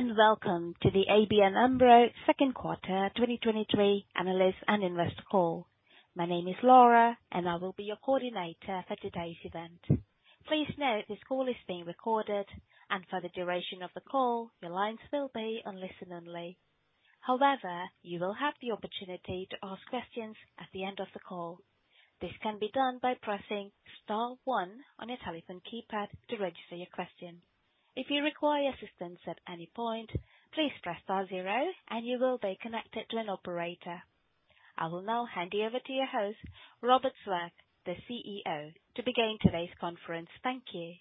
Hello, welcome to the ABN AMRO Second Quarter 2023 Analyst and Investor Call. My name is Laura, and I will be your coordinator for today's event. Please note, this call is being recorded, and for the duration of the call, your lines will be on listen only. However, you will have the opportunity to ask questions at the end of the call. This can be done by pressing star one on your telephone keypad to register your question. If you require assistance at any point, please press star zero and you will be connected to an operator. I will now hand you over to your host, Robert Swaak, the CEO, to begin today's conference. Thank you.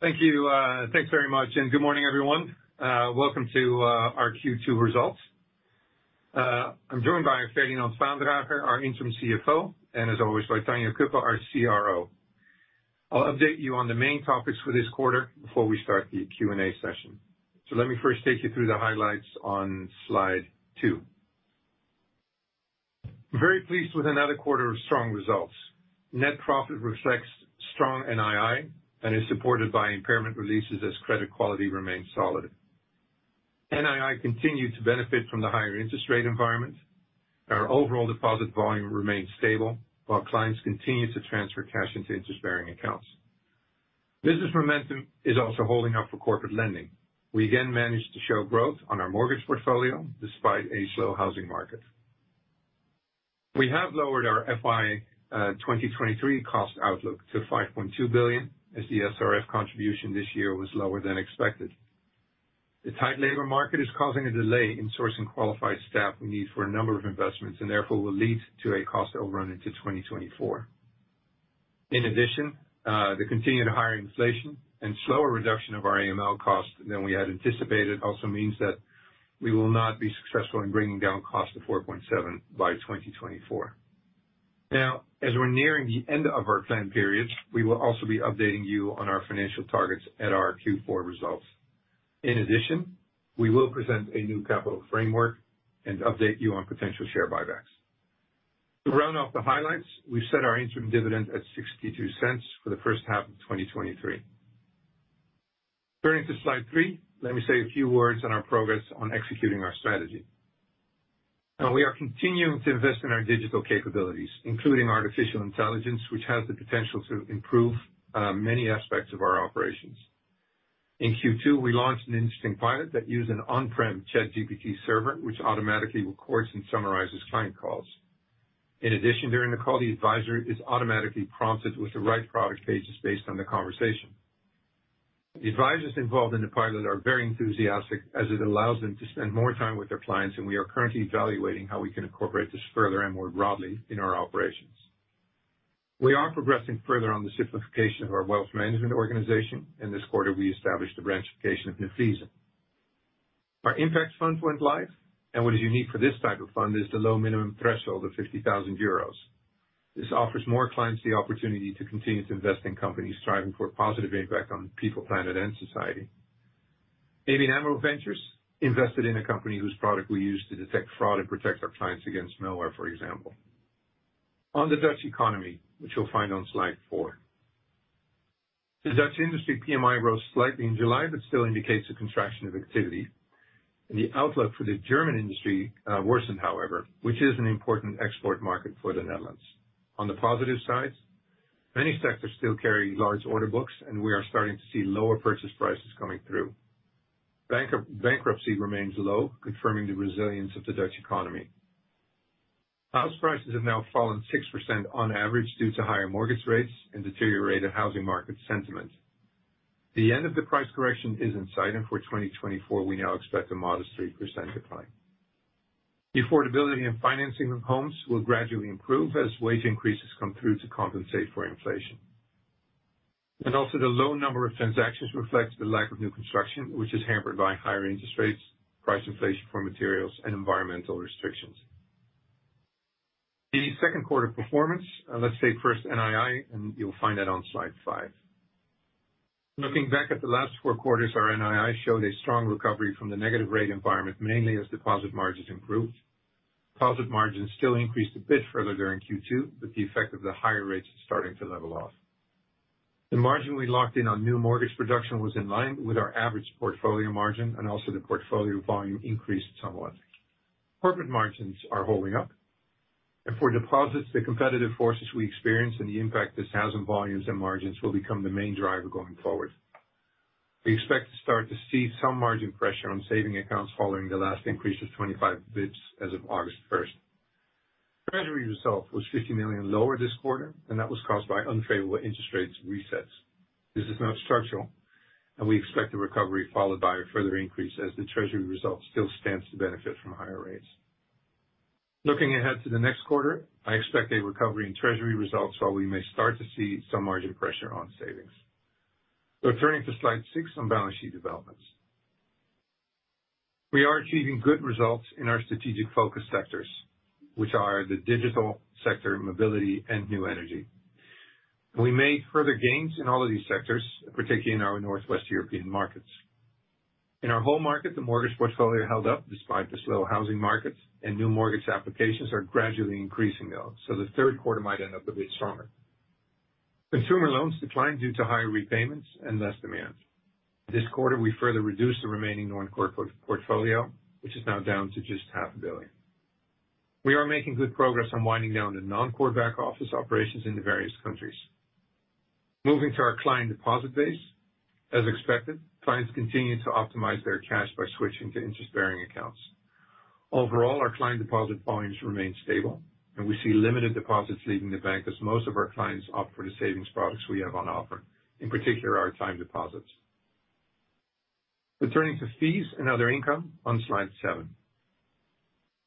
Thank you. Thanks very much, good morning, everyone. Welcome to our Q2 results. I'm joined by Ferdinand Vaandrager, our interim CFO, and as always, by Tanja Cuppen, our CRO. I'll update you on the main topics for this quarter before we start the Q&A session. Let me first take you through the highlights on Slide 2. I'm very pleased with another quarter of strong results. Net profit reflects strong NII and is supported by impairment releases as credit quality remains solid. NII continued to benefit from the higher interest rate environment, our overall deposit volume remains stable while clients continue to transfer cash into interest-bearing accounts. Business momentum is also holding up for corporate lending. We again managed to show growth on our mortgage portfolio despite a slow housing market. We have lowered our FY 2023 cost outlook to 5.2 billion, as the SRF contribution this year was lower than expected. The tight labor market is causing a delay in sourcing qualified staff we need for a number of investments and therefore will lead to a cost overrun into 2024. In addition, the continued higher inflation and slower reduction of our AML costs than we had anticipated also means that we will not be successful in bringing down costs to 4.7 billion by 2024. As we're nearing the end of our plan periods, we will also be updating you on our financial targets at our Q4 results. In addition, we will present a new capital framework and update you on potential share buybacks. To round off the highlights, we've set our interim dividend at 0.62 for the first half of 2023. Turning to Slide 3, let me say a few words on our progress on executing our strategy. Now, we are continuing to invest in our digital capabilities, including artificial intelligence, which has the potential to improve many aspects of our operations. In Q2, we launched an interesting pilot that used an on-prem ChatGPT server, which automatically records and summarizes client calls. In addition, during the call, the advisor is automatically prompted with the right product pages based on the conversation. The advisors involved in the pilot are very enthusiastic as it allows them to spend more time with their clients, and we are currently evaluating how we can incorporate this further and more broadly in our operations. We are progressing further on the simplification of our Wealth Management organization. In this quarter, we established the branchification of Neuflize OBC. Our impact fund went live. What is unique for this type of fund is the low minimum threshold of 50,000 euros. This offers more clients the opportunity to continue to invest in companies striving for a positive impact on people, planet, and society. ABN AMRO Ventures invested in a company whose product we use to detect fraud and protect our clients against malware, for example. On the Dutch economy, which you'll find on Slide 4, the Dutch manufacturing PMI rose slightly in July, still indicates a contraction of activity. The outlook for the German industry worsened, however, which is an important export market for the Netherlands. On the positive side, many sectors still carry large order books. We are starting to see lower purchase prices coming through. Bankruptcy remains low, confirming the resilience of the Dutch economy. House prices have now fallen 6% on average due to higher mortgage rates and deteriorated housing market sentiment. The end of the price correction is in sight. For 2024, we now expect a modest 3% decline. The affordability and financing of homes will gradually improve as wage increases come through to compensate for inflation. Also, the low number of transactions reflects the lack of new construction, which is hampered by higher interest rates, price inflation for materials and environmental restrictions. The second quarter performance, let's say first NII, and you'll find that on Slide 5. Looking back at the last four quarters, our NII showed a strong recovery from the negative rate environment, mainly as deposit margins improved. Deposit margins still increased a bit further during Q2, with the effect of the higher rates starting to level off. The margin we locked in on new mortgage production was in line with our average portfolio margin, also the portfolio volume increased somewhat. Corporate margins are holding up, for deposits, the competitive forces we experience and the impact this has on volumes and margins will become the main driver going forward. We expect to start to see some margin pressure on savings accounts following the last increase of 25 basis points as of August 1. Treasury result was 50 million lower this quarter, that was caused by unfavorable interest rates resets. This is not structural, we expect a recovery followed by a further increase as the Treasury result still stands to benefit from higher rates. Looking ahead to the next quarter, I expect a recovery in Treasury results, while we may start to see some margin pressure on savings. Turning to Slide 6 on balance sheet developments. We are achieving good results in our strategic focus sectors, which are the digital sector, mobility, and new energy. We made further gains in all of these sectors, particularly in our Northwest European markets. In our home market, the mortgage portfolio held up despite the slow housing markets, and new mortgage applications are gradually increasing though, so the third quarter might end up a bit stronger. Consumer loans declined due to higher repayments and less demand. This quarter, we further reduced the remaining non-core portfolio, which is now down to just 500 million. We are making good progress on winding down the non-core back office operations in the various countries. Moving to our client deposit base. As expected, clients continued to optimize their cash by switching to interest-bearing accounts. Overall, our client deposit volumes remain stable, and we see limited deposits leaving the bank as most of our clients opt for the savings products we have on offer, in particular, our time deposits. Returning to fees and other income on Slide 7.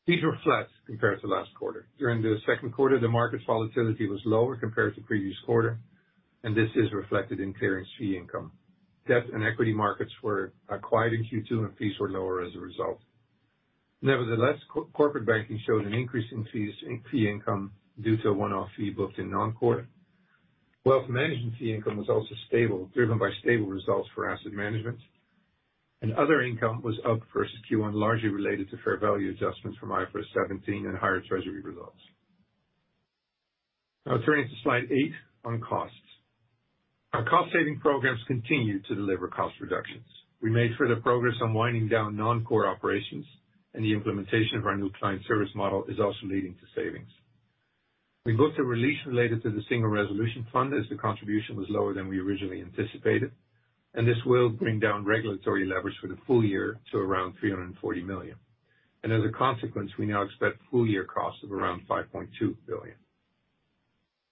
Fees were flat compared to last quarter. During the second quarter, the market's volatility was lower compared to the previous quarter, and this is reflected in clearance fee income. Debt and equity markets were quiet in Q2, and fees were lower as a result. Nevertheless, corporate banking showed an increase in fees in fee income due to a one-off fee booked in non-core. Wealth management fee income was also stable, driven by stable results for asset management, other income was up versus Q1, largely related to fair value adjustments from IFRS 17 and higher Treasury results. Now turning to Slide 8 on costs. Our cost-saving programs continued to deliver cost reductions. We made further progress on winding down non-core operations, the implementation of our new client service model is also leading to savings. We booked a release related to the Single Resolution Fund, as the contribution was lower than we originally anticipated, this will bring down regulatory leverage for the full year to around 340 million. As a consequence, we now expect full-year costs of around 5.2 billion.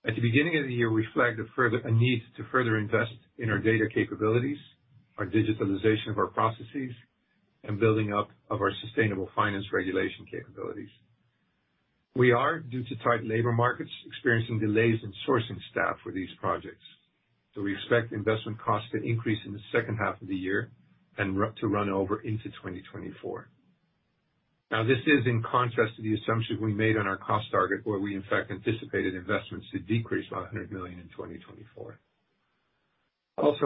At the beginning of the year, we flagged a need to further invest in our data capabilities, our digitalization of our processes, and building up of our sustainable finance regulation capabilities. We are, due to tight labor markets, experiencing delays in sourcing staff for these projects, so we expect investment costs to increase in the second half of the year and to run over into 2024. This is in contrast to the assumptions we made on our cost target, where we, in fact, anticipated investments to decrease by 100 million in 2024.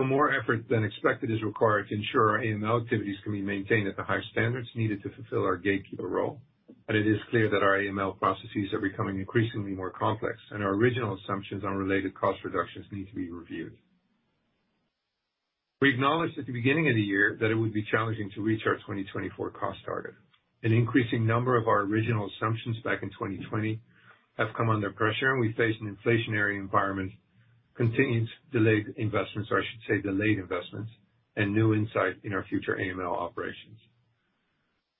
More effort than expected is required to ensure our AML activities can be maintained at the high standards needed to fulfill our gatekeeper role, but it is clear that our AML processes are becoming increasingly more complex, and our original assumptions on related cost reductions need to be reviewed. We acknowledged at the beginning of the year that it would be challenging to reach our 2024 cost target. An increasing number of our original assumptions back in 2020 have come under pressure, we face an inflationary environment, continued delayed investments, or I should say delayed investments and new insight in our future AML operations.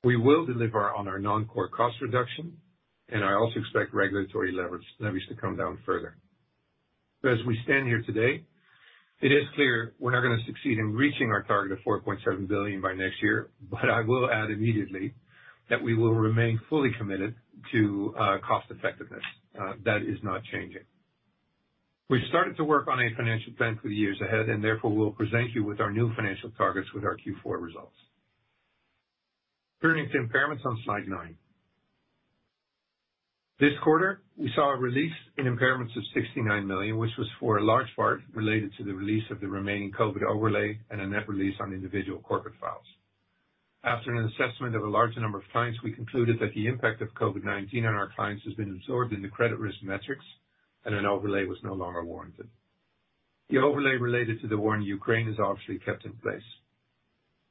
We will deliver on our non-core cost reduction, I also expect regulatory leverage, leverage to come down further. As we stand here today, it is clear we're not going to succeed in reaching our target of 4.7 billion by next year, but I will add immediately that we will remain fully committed to cost effectiveness. That is not changing. We've started to work on a financial plan for the years ahead, therefore, we'll present you with our new financial targets with our Q4 results. Turning to impairments on Slide 9. This quarter, we saw a release in impairments of 69 million, which was for a large part related to the release of the remaining COVID overlay and a net release on individual corporate files. After an assessment of a larger number of clients, we concluded that the impact of COVID-19 on our clients has been absorbed in the credit risk metrics and an overlay was no longer warranted. The overlay related to the war in Ukraine is obviously kept in place.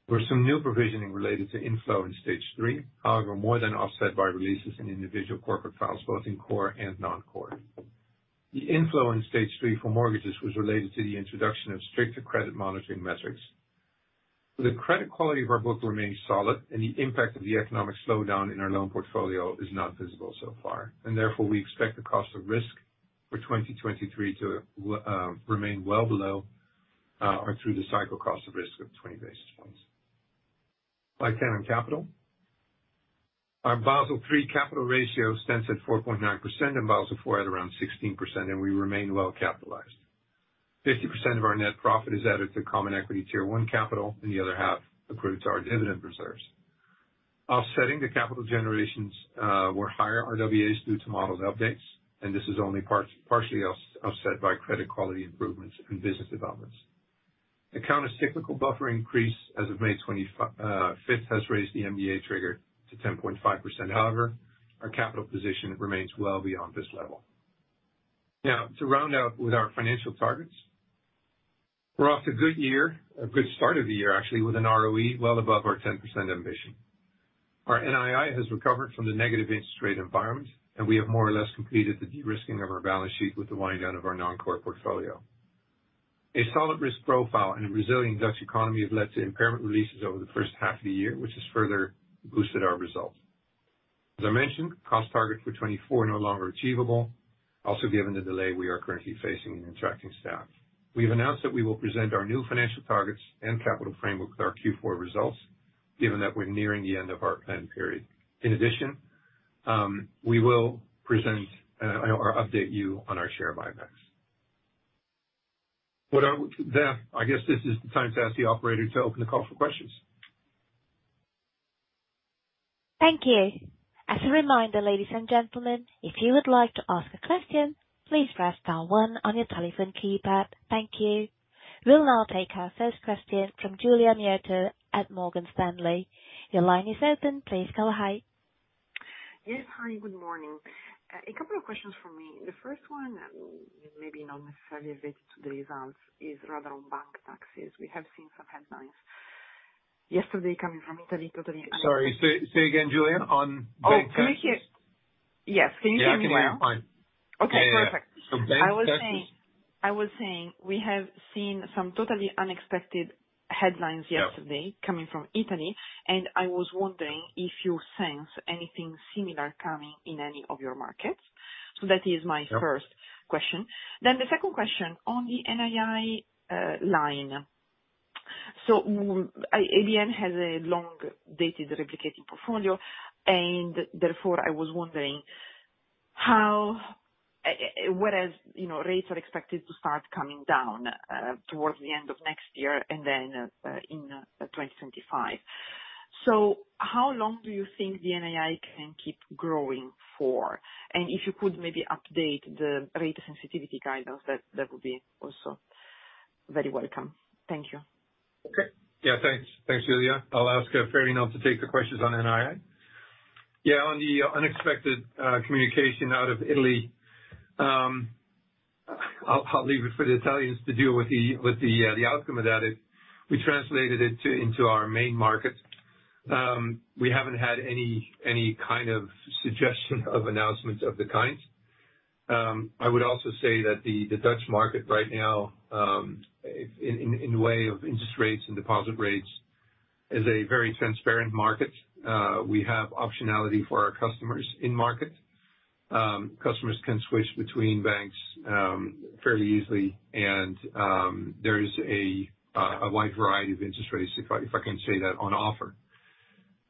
There were some new provisioning related to inflow in stage 3, however, more than offset by releases in individual corporate files, both in core and non-core. The inflow in stage 3 for mortgages was related to the introduction of stricter credit monitoring metrics. The credit quality of our book remains solid, the impact of the economic slowdown in our loan portfolio is not visible so far, therefore, we expect the cost of risk for 2023 to remain well below our through the cycle cost of risk of 20 basis points. Slide 10 on capital. Our Basel III capital ratio stands at 4.9% and Basel IV at around 16%, we remain well capitalized. 50% of our net profit is added to Common Equity Tier 1 capital, the other half accrued to our dividend reserves. Offsetting the capital generations were higher RWAs due to model updates, this is only partially off-offset by credit quality improvements and business developments. The Countercyclical Capital Buffer increase as of May fifth, has raised the MDA trigger to 10.5%. However, our capital position remains well beyond this level. To round out with our financial targets, we're off to a good year, a good start of the year, actually, with an ROE well above our 10% ambition. Our NII has recovered from the negative interest rate environment, we have more or less completed the de-risking of our balance sheet with the winding down of our non-core portfolio. A solid risk profile and a resilient Dutch economy have led to impairment releases over the first half of the year, which has further boosted our results. As I mentioned, cost targets for 2024 are no longer achievable, also given the delay we are currently facing in attracting staff. We've announced that we will present our new financial targets and capital framework with our Q4 results, given that we're nearing the end of our planned period. In addition, we will present, or update you on our share buybacks. I guess this is the time to ask the operator to open the call for questions. Thank you. As a reminder, ladies and gentlemen, if you would like to ask a question, please press star one on your telephone keypad. Thank you. We'll now take our first question from Giulia Miotto at Morgan Stanley. Your line is open. Please go ahead. Yes, hi, good morning. A couple of questions from me. The first one, maybe not necessarily related to the results, is rather on bank taxes. We have seen some headlines yesterday coming from Italy. Sorry, say, say again, Giulia, on bank taxes? Can we hear? Yes. Can you hear me well? Yeah, I can hear fine. Okay, perfect. Bank taxes. I was saying, we have seen some totally unexpected headlines yesterday. Yeah coming from Italy, and I was wondering if you sense anything similar coming in any of your markets. That is my first question. The second question on the NII line. ABN has a long dated replicating portfolio, and therefore, I was wondering how... whereas, you know, rates are expected to start coming down towards the end of next year, and then in 2025. How long do you think the NII can keep growing for? If you could maybe update the rate sensitivity guidance, that, that would be also very welcome. Thank you. Okay. Yeah, thanks. Thanks, Giulia. I'll ask Ferdinand to take the questions on NII. Yeah, on the unexpected communication out of Italy, I'll leave it for the Italians to deal with the outcome of that. We translated it into our main markets. We haven't had any kind of suggestion of announcements of the kind. I would also say that the Dutch market right now, in way of interest rates and deposit rates, is a very transparent market. We have optionality for our customers in market. Customers can switch between banks, fairly easily, and, there is a wide variety of interest rates, if I can say that, on offer.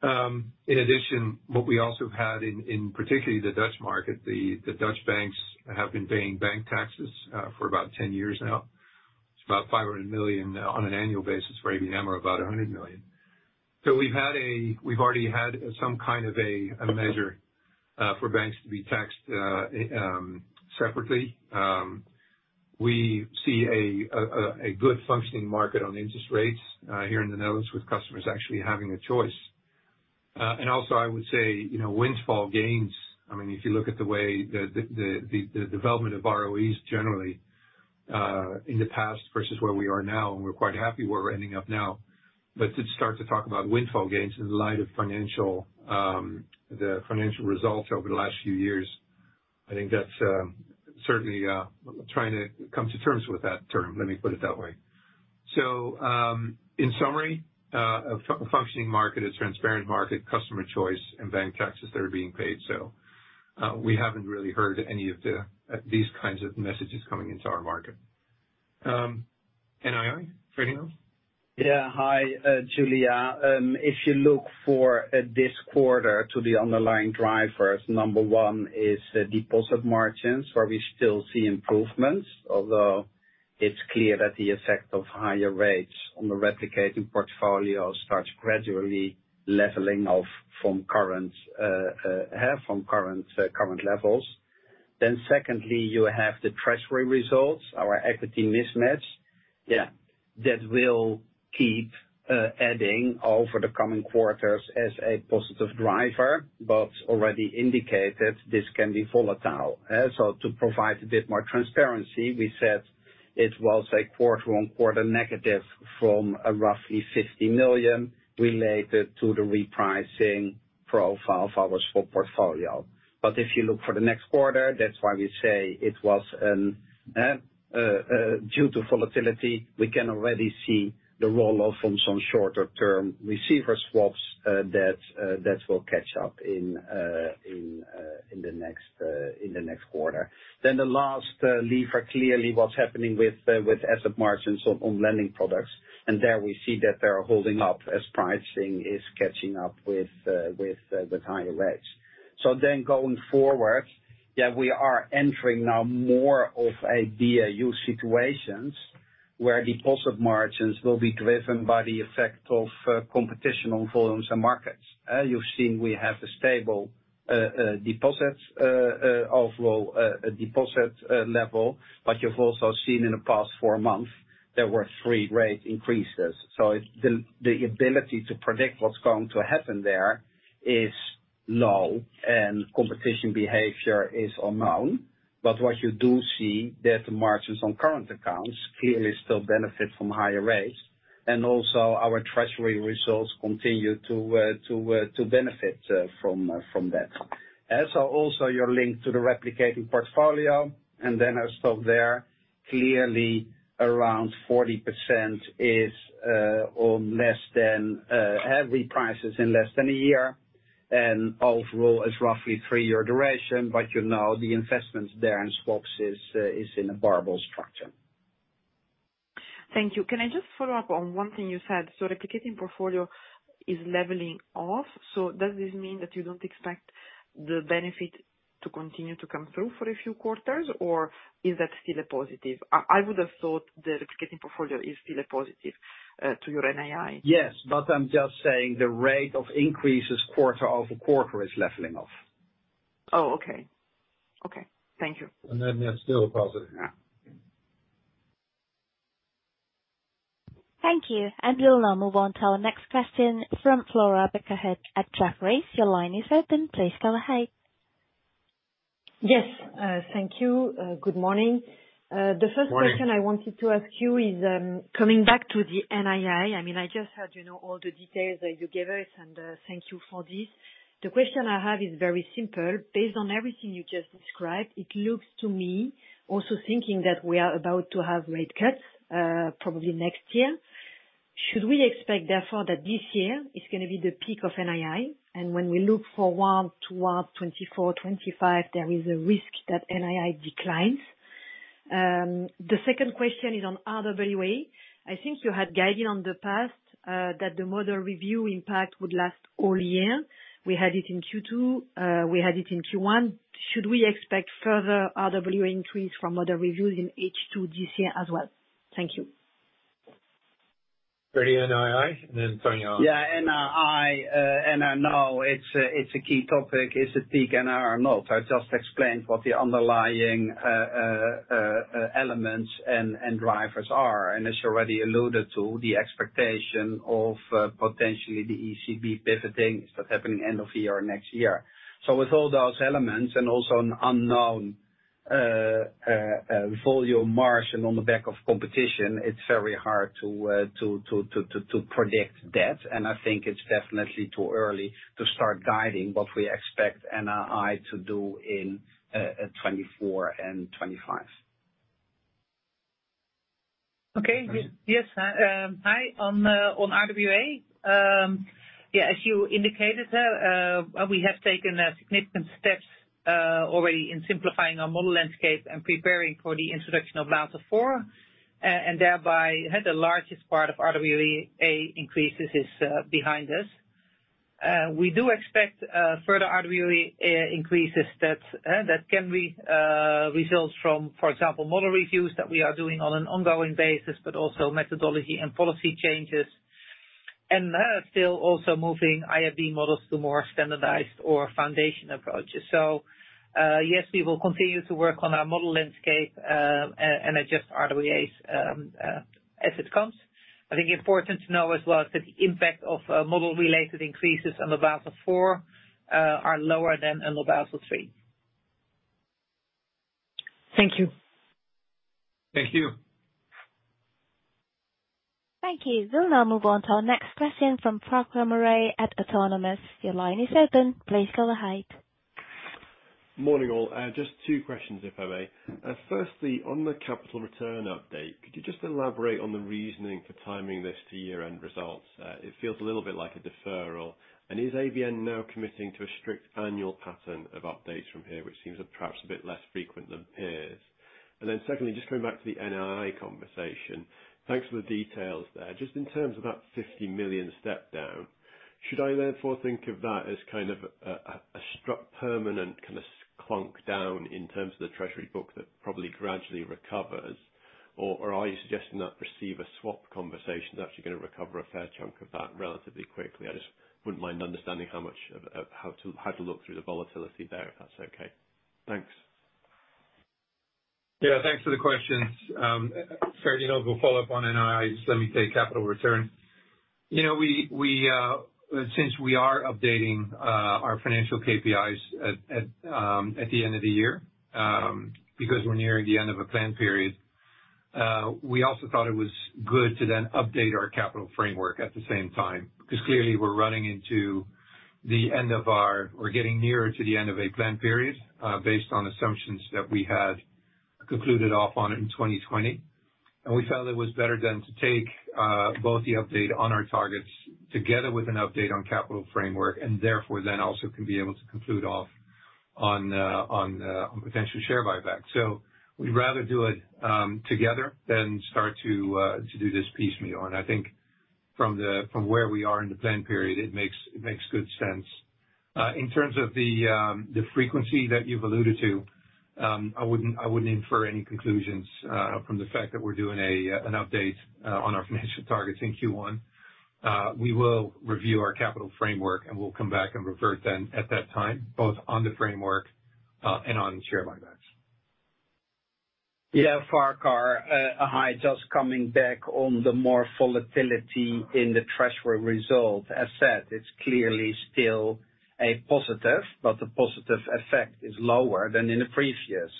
In addition, what we also had in particularly the Dutch market, the Dutch banks have been paying bank taxes for about 10 years now. It's about 500 million on an annual basis for ABN AMRO, about 100 million. We've had a-- we've already had some kind of a measure for banks to be taxed separately. We see a good functioning market on interest rates here in the Netherlands, with customers actually having a choice. Also I would say, you know, windfall gains, I mean, if you look at the way the development of ROEs generally in the past versus where we are now, and we're quite happy where we're ending up now. To start to talk about windfall gains in light of financial, the financial results over the last few years, I think that's certainly trying to come to terms with that term, let me put it that way. In summary, a functioning market, a transparent market, customer choice, and bank taxes that are being paid. We haven't really heard any of these kinds of messages coming into our market. NII, Ferdinand? Yeah. Hi, Giulia. If you look for this quarter to the underlying drivers, number 1 is the deposit margins, where we still see improvements, although it's clear that the effect of higher rates on the replicating portfolio starts gradually leveling off from current current levels. Secondly, you have the Treasury results, our equity mismatch, yeah, that will keep adding over the coming quarters as a positive driver, but already indicated this can be volatile. To provide a bit more transparency, we said it was a quarter on quarter negative from roughly 50 million related to the repricing profile of our stock portfolio. If you look for the next quarter, that's why we say it was, due to volatility, we can already see the roll-off from some shorter term receiver swaps, that will catch up in the next quarter. The last lever, clearly what's happening with asset margins on lending products, and there we see that they are holding up as pricing is catching up with the higher rates. Going forward, yeah, we are entering now more of a BAU situations, where deposit margins will be driven by the effect of, competition on volumes and markets. You've seen we have a stable, deposits, overall, deposit level, but you've also seen in the past four months, there were three rate increases. The ability to predict what's going to happen there is low and competition behavior is unknown. What you do see, that the margins on current accounts clearly still benefit from higher rates, and also our Treasury results continue to benefit from that. As are also your link to the replicating portfolio, and then I'll stop there. Clearly, around 40% is on less than heavy prices in less than a year, and overall, is roughly 3-year duration, but you know, the investments there in swaps is in a barbell structure. Thank you. Can I just follow up on one thing you said? Replicating portfolio is leveling off, so does this mean that you don't expect the benefit to continue to come through for a few quarters, or is that still a positive? I, I would have thought the replicating portfolio is still a positive, to your NII. Yes, I'm just saying the rate of increases quarter-over-quarter is leveling off. Oh, okay. Okay. Thank you. Then they're still positive. Yeah. Thank you. We'll now move on to our next question from Flora Bocahut at Jefferies. Your line is open. Please go ahead. Yes, thank you. Good morning. Morning. The first question I wanted to ask you is, coming back to the NII. I mean, I just heard, you know, all the details that you gave us, and thank you for this. The question I have is very simple. Based on everything you just described, it looks to me, also thinking that we are about to have rate cuts, probably next year. Should we expect, therefore, that this year is gonna be the peak of NII, and when we look forward toward 2024, 2025, there is a risk that NII declines? The second question is on RWA. I think you had guided on the past, that the model review impact would last all year. We had it in Q2, we had it in Q1. Should we expect further RWA increase from other reviews in H2 this year as well? Thank you. For the NII? Then Tanja Yeah, NII, I know it's a key topic. Is it peak NII or not? I just explained what the underlying elements and drivers are, as you already alluded to, the expectation of potentially the ECB pivoting that's happening end of year or next year. With all those elements, and also an unknown volume margin on the back of competition, it's very hard to predict that. I think it's definitely too early to start guiding what we expect NII to do in 2024 and 2025. Okay. Yes. Hi. On RWA, yeah, as you indicated, we have taken significant steps already in simplifying our model landscape and preparing for the introduction of Basel IV. Thereby, the largest part of RWA increases is behind us. We do expect further RWA increases that can be results from, for example, model reviews that we are doing on an ongoing basis, but also methodology and policy changes. Still also moving IRB models to more standardized or foundation approaches. Yes, we will continue to work on our model landscape and adjust RWAs as it comes. I think important to know as well, that the impact of model-related increases in the Basel IV are lower than in the Basel III. Thank you. Thank you. Thank you. We'll now move on to our next question from Farquhar Murray at Autonomous. Your line is open. Please go ahead. Morning, all. Just 2 questions, if I may. Firstly, on the capital return update, could you just elaborate on the reasoning for timing this to year-end results? It feels a little bit like a deferral. Is ABN now committing to a strict annual pattern of updates from here, which seems perhaps a bit less frequent than peers? Secondly, just coming back to the NII conversation. Thanks for the details there. Just in terms of that 50 million step down, should I therefore think of that as kind of a permanent kind of clunk down in terms of the Treasury book that probably gradually recovers? Or, are you suggesting that receiver swap conversation is actually going to recover a fair chunk of that relatively quickly? I just wouldn't mind understanding how much of... How to, how to look through the volatility there, if that's okay. Thanks. Yeah, thanks for the questions. Ferdinand, we'll follow up on NII. Just let me take capital return. You know, we, we, since we are updating our financial KPIs at, at, at the end of the year, because we're nearing the end of a plan period, we also thought it was good to then update our capital framework at the same time, because clearly we're getting nearer to the end of a plan period, based on assumptions that we had concluded off on in 2020. We felt it was better then to take both the update on our targets together with an update on capital framework, and therefore, then also can be able to conclude off on potential share buyback. We'd rather do it together than start to do this piecemeal. I think from the, from where we are in the plan period, it makes, it makes good sense. In terms of the frequency that you've alluded to, I wouldn't, I wouldn't infer any conclusions from the fact that we're doing an update on our financial targets in Q1. We will review our capital framework, and we'll come back and revert then at that time, both on the framework and on share buybacks. Farquhar, hi, just coming back on the more volatility in the Treasury result. As said, it's clearly still a positive, but the positive effect is lower than in the previous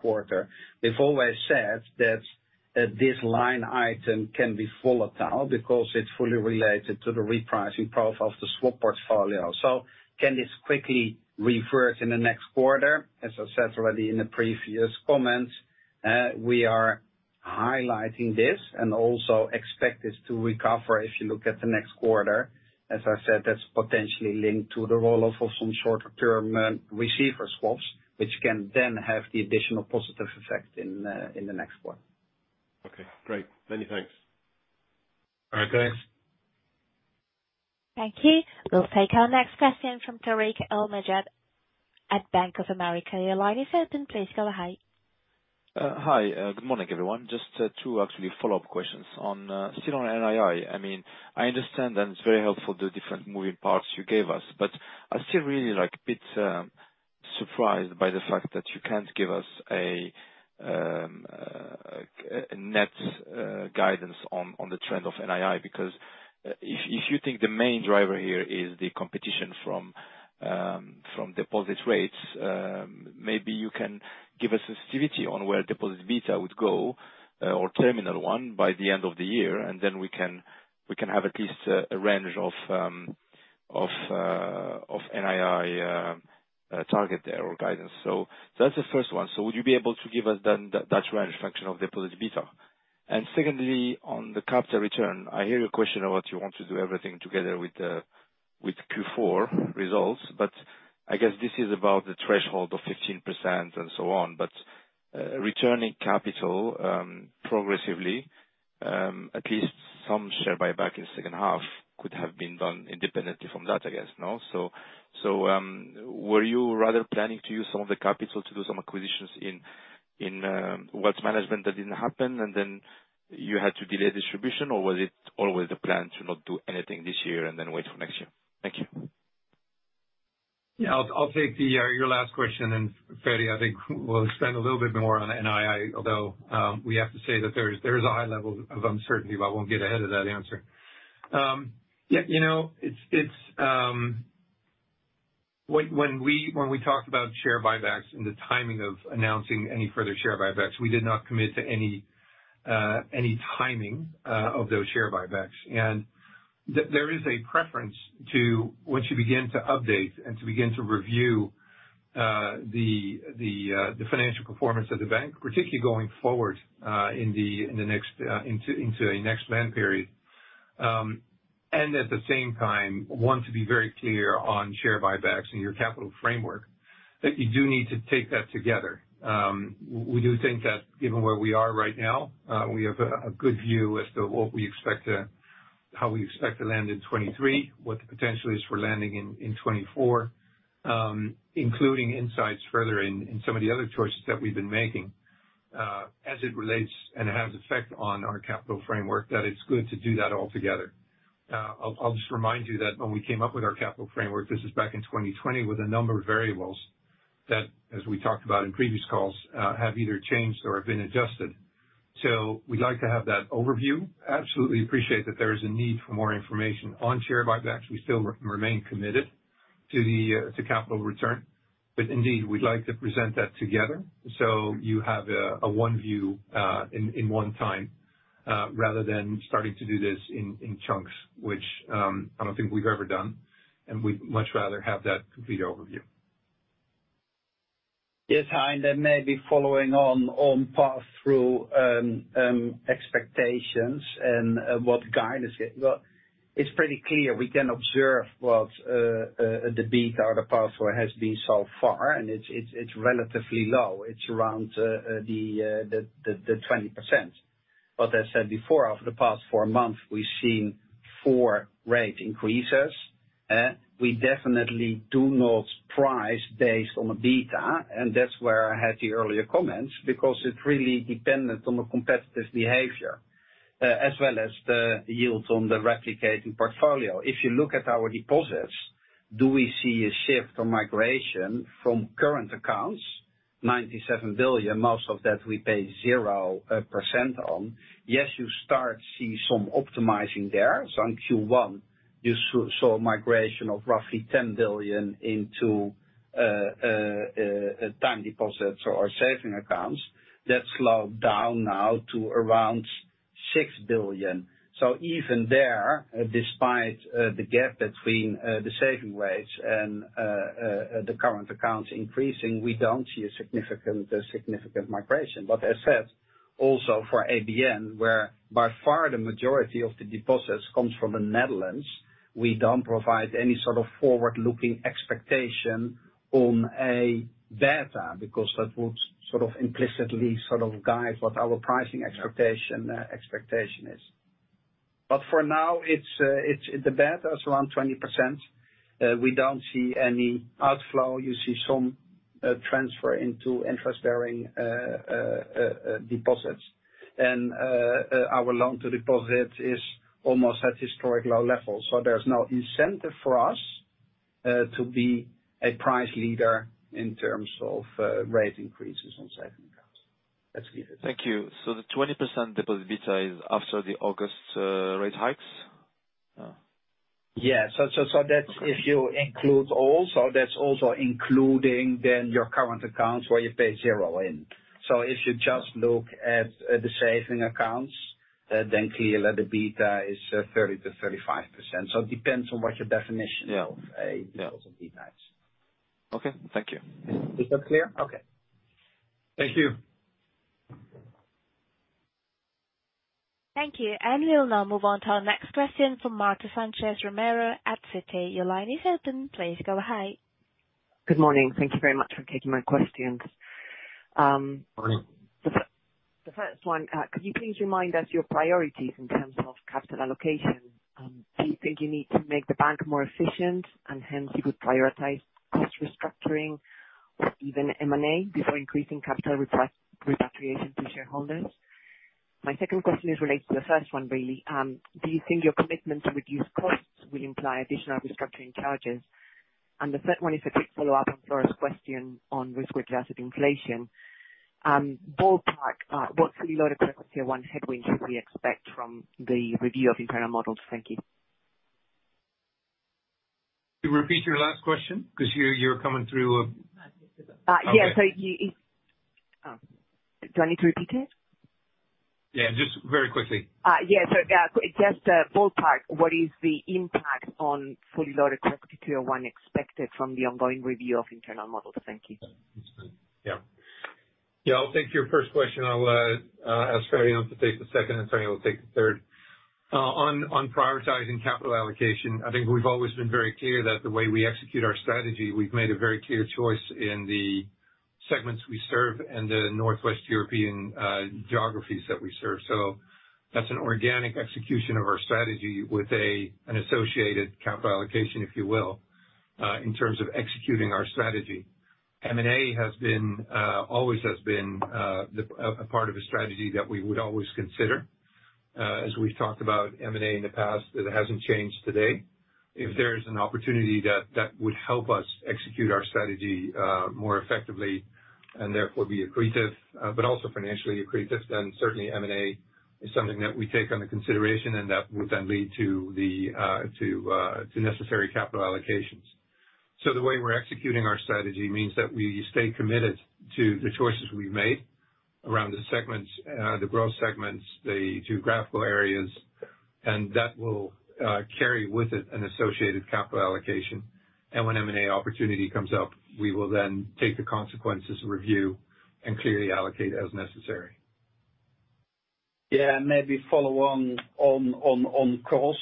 quarter. We've always said that this line item can be volatile because it's fully related to the repricing profile of the swap portfolio. Can this quickly reverse in the next quarter? As I said already in the previous comments, we are highlighting this and also expect this to recover if you look at the next quarter. As I said, that's potentially linked to the roll-off of some shorter term receiver swaps, which can then have the additional positive effect in the next quarter. Okay, great. Many thanks. All right, guys. Thank you. We'll take our next question from Tarik El Mejjad at Bank of America. Your line is open. Please go ahead. Hi, good morning, everyone. Just 2 actually follow-up questions on still on NII. I mean, I understand, and it's very helpful, the different moving parts you gave us, but I'm still really, like, a bit surprised by the fact that you can't give us a net guidance on the trend of NII, because if you think the main driver here is the competition from deposit rates, maybe you can give us sensitivity on where deposit beta would go or terminal 1 by the end of the year, and then we can, we can have at least a range of NII target there or guidance. That's the first one. Would you be able to give us then that, that range function of deposit beta? Secondly, on the capital return, I hear your question about you want to do everything together with Q4 results, but I guess this is about the threshold of 15% and so on. Returning capital, progressively, at least some share buyback in second half could have been done independently from that, I guess, no? Were you rather planning to use some of the capital to do some acquisitions in Wealth Management that didn't happen, and then you had to delay distribution? Was it always the plan to not do anything this year and then wait for next year? Thank you. Yeah, I'll, I'll take the your last question, and Freddy, I think, will expand a little bit more on NII, although, we have to say that there is, there is a high level of uncertainty, but I won't get ahead of that answer. Yeah, you know, it's, it's... When, when we, when we talked about share buybacks and the timing of announcing any further share buybacks, we did not commit to any, any timing, of those share buybacks. There, there is a preference to once you begin to update and to begin to review the financial performance of the bank, particularly going forward, in the, in the next, into, into a next plan period, and at the same time, want to be very clear on share buybacks and your capital framework, that you do need to take that together. We do think that given where we are right now, we have a good view as to how we expect to land in 2023, what the potential is for landing in, in 2024, including insights further in, in some of the other choices that we've been making, as it relates and has effect on our capital framework, that it's good to do that all together. I'll just remind you that when we came up with our capital framework, this is back in 2020, with a number of variables that, as we talked about in previous calls, have either changed or have been adjusted. We'd like to have that overview. Absolutely appreciate that there is a need for more information on share buybacks. We still remain committed to the capital return. Indeed, we'd like to present that together so you have a one view in one time rather than starting to do this in chunks, which I don't think we've ever done, and we'd much rather have that complete overview. Yes, Hi, then maybe following on, on pass-through, expectations and what guidance. Well, it's pretty clear we can observe what the peak or the pass-through has been so far, and it's, it's, it's relatively low. It's around 20%. I said before, over the past 4 months, we've seen 4 rate increases. We definitely do not price based on the beta, and that's where I had the earlier comments, because it's really dependent on the competitive behavior, as well as the yields on the replicating portfolio. If you look at our deposits, do we see a shift or migration from current accounts? 97 billion, most of that, we pay 0% on. Yes, you start see some optimizing there. In Q1, you saw a migration of roughly 10 billion into time deposits or savings accounts. That slowed down now to around 6 billion. Even there, despite the gap between the saving rates and the current accounts increasing, we don't see a significant, a significant migration. As said, also for ABN, where by far the majority of the deposits comes from the Netherlands, we don't provide any sort of forward-looking expectation on a beta, because that would sort of implicitly sort of guide what our pricing expectation, expectation is. For now, it's. The beta is around 20%. We don't see any outflow. You see some transfer into interest-bearing deposits. Our loan-to-deposit is almost at historic low levels, so there's no incentive for us to be a price leader in terms of rate increases on savings accounts. That's give it. Thank you. The 20% deposit beta is after the August rate hikes? Yeah. So, so, so that's if you include all, so that's also including then your current accounts, where you pay zero in. If you just look at the savings accounts, then clearly the beta is 30%-35%. It depends on what your definition- Yeah. of Yeah. Beta is. Okay. Thank you. Is that clear? Okay. Thank you. Thank you. We'll now move on to our next question from Marta Sanchez Romero at Citi. Your line is open. Please go ahead. Good morning. Thank you very much for taking my questions. Morning. The first one, could you please remind us your priorities in terms of capital allocation? Do you think you need to make the bank more efficient, and hence you would prioritize cost restructuring or even M&A before increasing capital repatriation to shareholders? My second question is related to the first one, really. Do you think your commitment to reduce costs will imply additional restructuring charges? The third one is a quick follow-up on Flora's question on risk-weighted asset inflation. Ballpark, what fully loaded regulatory CET1 headwind should we expect from the review of internal models? Thank you. Could you repeat your last question? 'Cause you're, you're coming through a- Yeah. Oh, do I need to repeat it? Yeah, just very quickly. Yeah. Just ballpark, what is the impact on fully loaded regulatory one expected from the ongoing review of internal models? Thank you. Yeah. Yeah, I'll take your first question. I'll ask Ferdinand to take the second, and Tanja will take the third. On, on prioritizing capital allocation, I think we've always been very clear that the way we execute our strategy, we've made a very clear choice in the segments we serve and the Northwest European geographies that we serve. So that's an organic execution of our strategy with a, an associated capital allocation, if you will, in terms of executing our strategy. M&A has been, always has been, the, a part of a strategy that we would always consider. As we've talked about M&A in the past, it hasn't changed today. If there is an opportunity that, that would help us execute our strategy more effectively and therefore be accretive, but also financially accretive, certainly M&A is something that we take under consideration, and that would then lead to the to necessary capital allocations. The way we're executing our strategy means that we stay committed to the choices we've made around the segments, the growth segments, the geographical areas, and that will carry with it an associated capital allocation. When M&A opportunity comes up, we will then take the consequences, review, and clearly allocate as necessary. Yeah, maybe follow on cost.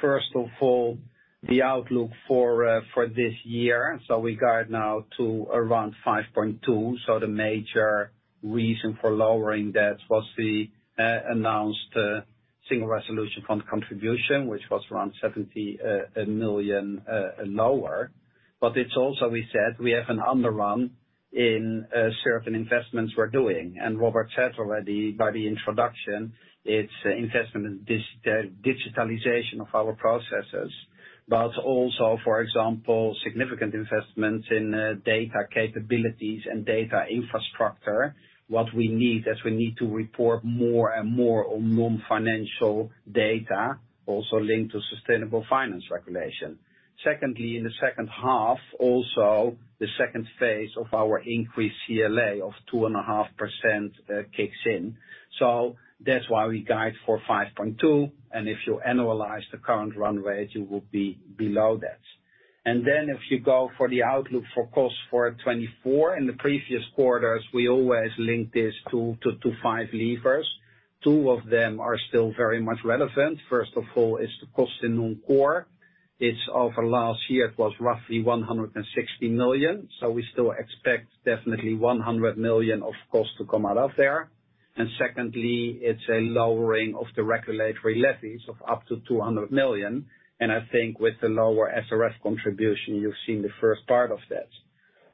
First of all, the outlook for this year, so we guide now to around 5.2. The major reason for lowering that was the announced Single Resolution Fund contribution, which was around 70 million lower. It's also, we said, we have an underrun in certain investments we're doing, and Robert said already by the introduction, it's investment in digitalization of our processes. Also, for example, significant investments in data capabilities and data infrastructure. What we need, as we need to report more and more on non-financial data, also linked to sustainable finance regulation. In the second half, also, the second phase of our increased CLA of 2.5% kicks in. That's why we guide for 5.2, and if you annualize the current run rate, you will be below that. Then if you go for the outlook for cost for 2024, in the previous quarters, we always link this to five levers. Two of them are still very much relevant. First of all, is the cost in non-core. It's over last year, it was roughly 160 million, so we still expect definitely 100 million of cost to come out of there. Secondly, it's a lowering of the regulatory levies of up to 200 million, and I think with the lower SRF contribution, you've seen the first part of that.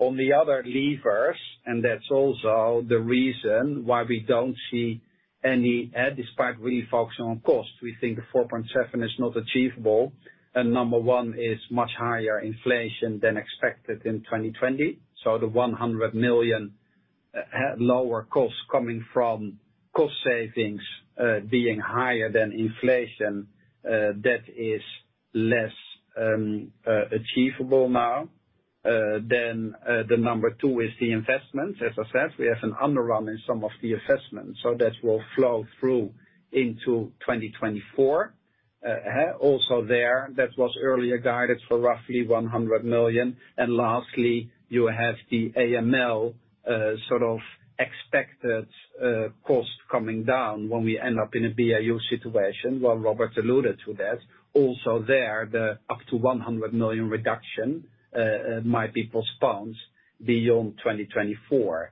On the other levers, and that's also the reason why we don't see any head despite really focusing on cost, we think the 4.7 is not achievable. Number one is much higher inflation than expected in 2020. The 100 million lower costs coming from cost savings being higher than inflation, that is less achievable now. The number two is the investment. As I said, we have an underrun in some of the investments, so that will flow through into 2024. Also there, that was earlier guided for roughly 100 million. Lastly, you have the AML sort of expected cost coming down when we end up in a BAU situation, while Robert alluded to that. Also there, the up to 100 million reduction might be postponed beyond 2024.